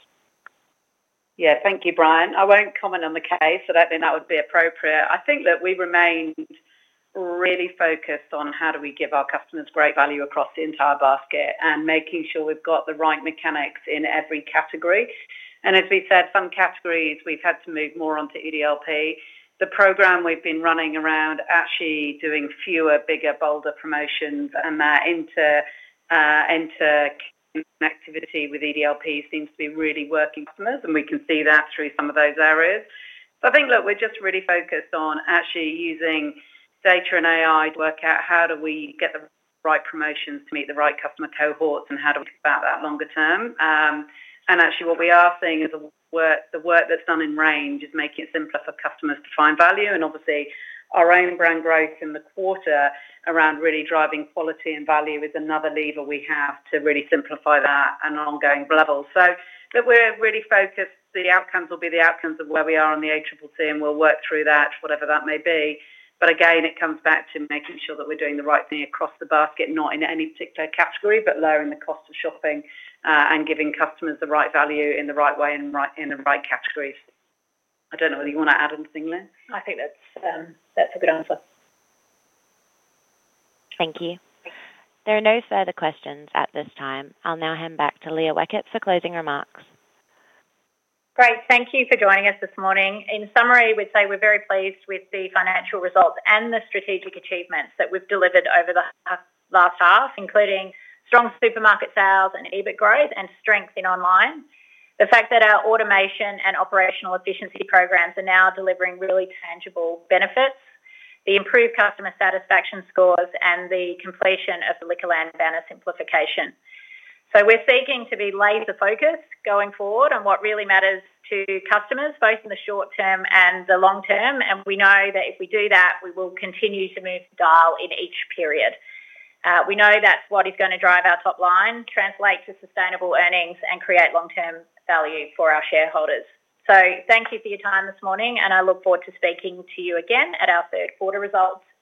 Yeah. Thank you, Brian. I won't comment on the case. I don't think that would be appropriate. I think that we remained really focused on how do we give our customers great value across the entire basket and making sure we've got the right mechanics in every category. As we said, some categories we've had to move more onto EDLP. The program we've been running around actually doing fewer, bigger, bolder promotions and that interactivity with EDLP seems to be really working for us, and we can see that through some of those areas. I think, look, we're just really focused on actually using data and AI to work out how do we get the right promotions to meet the right customer cohorts and how do we think about that longer term. Actually what we are seeing is the work that's done in range is making it simpler for customers to find value. Obviously, our own brand growth in the quarter around really driving quality and value is another lever we have to really simplify that on an ongoing level. Look, we're really focused. The outcomes will be the outcomes of where we are on the ACCC, and we'll work through that, whatever that may be. Again, it comes back to making sure that we're doing the right thing across the basket, not in any particular category, but lowering the cost of shopping and giving customers the right value in the right way and in the right categories. I don't know whether you want to add anything, Leah? I think that's a good answer. Thank you. There are no further questions at this time. I'll now hand back to Leah Weckert for closing remarks. Great. Thank you for joining us this morning. In summary, we'd say we're very pleased with the financial results and the strategic achievements that we've delivered over the half, last half, including strong supermarket sales and EBIT growth, and strength in online. The fact that our automation and operational efficiency programs are now delivering really tangible benefits, the improved customer satisfaction scores, and the completion of the LiquorLand banner simplification. We're seeking to be laser-focused going forward on what really matters to customers, both in the short term and the long term, and we know that if we do that, we will continue to move the dial in each period. We know that's what is gonna drive our top line, translate to sustainable earnings, and create long-term value for our shareholders. Thank you for your time this morning, and I look forward to speaking to you again at our third-quarter results.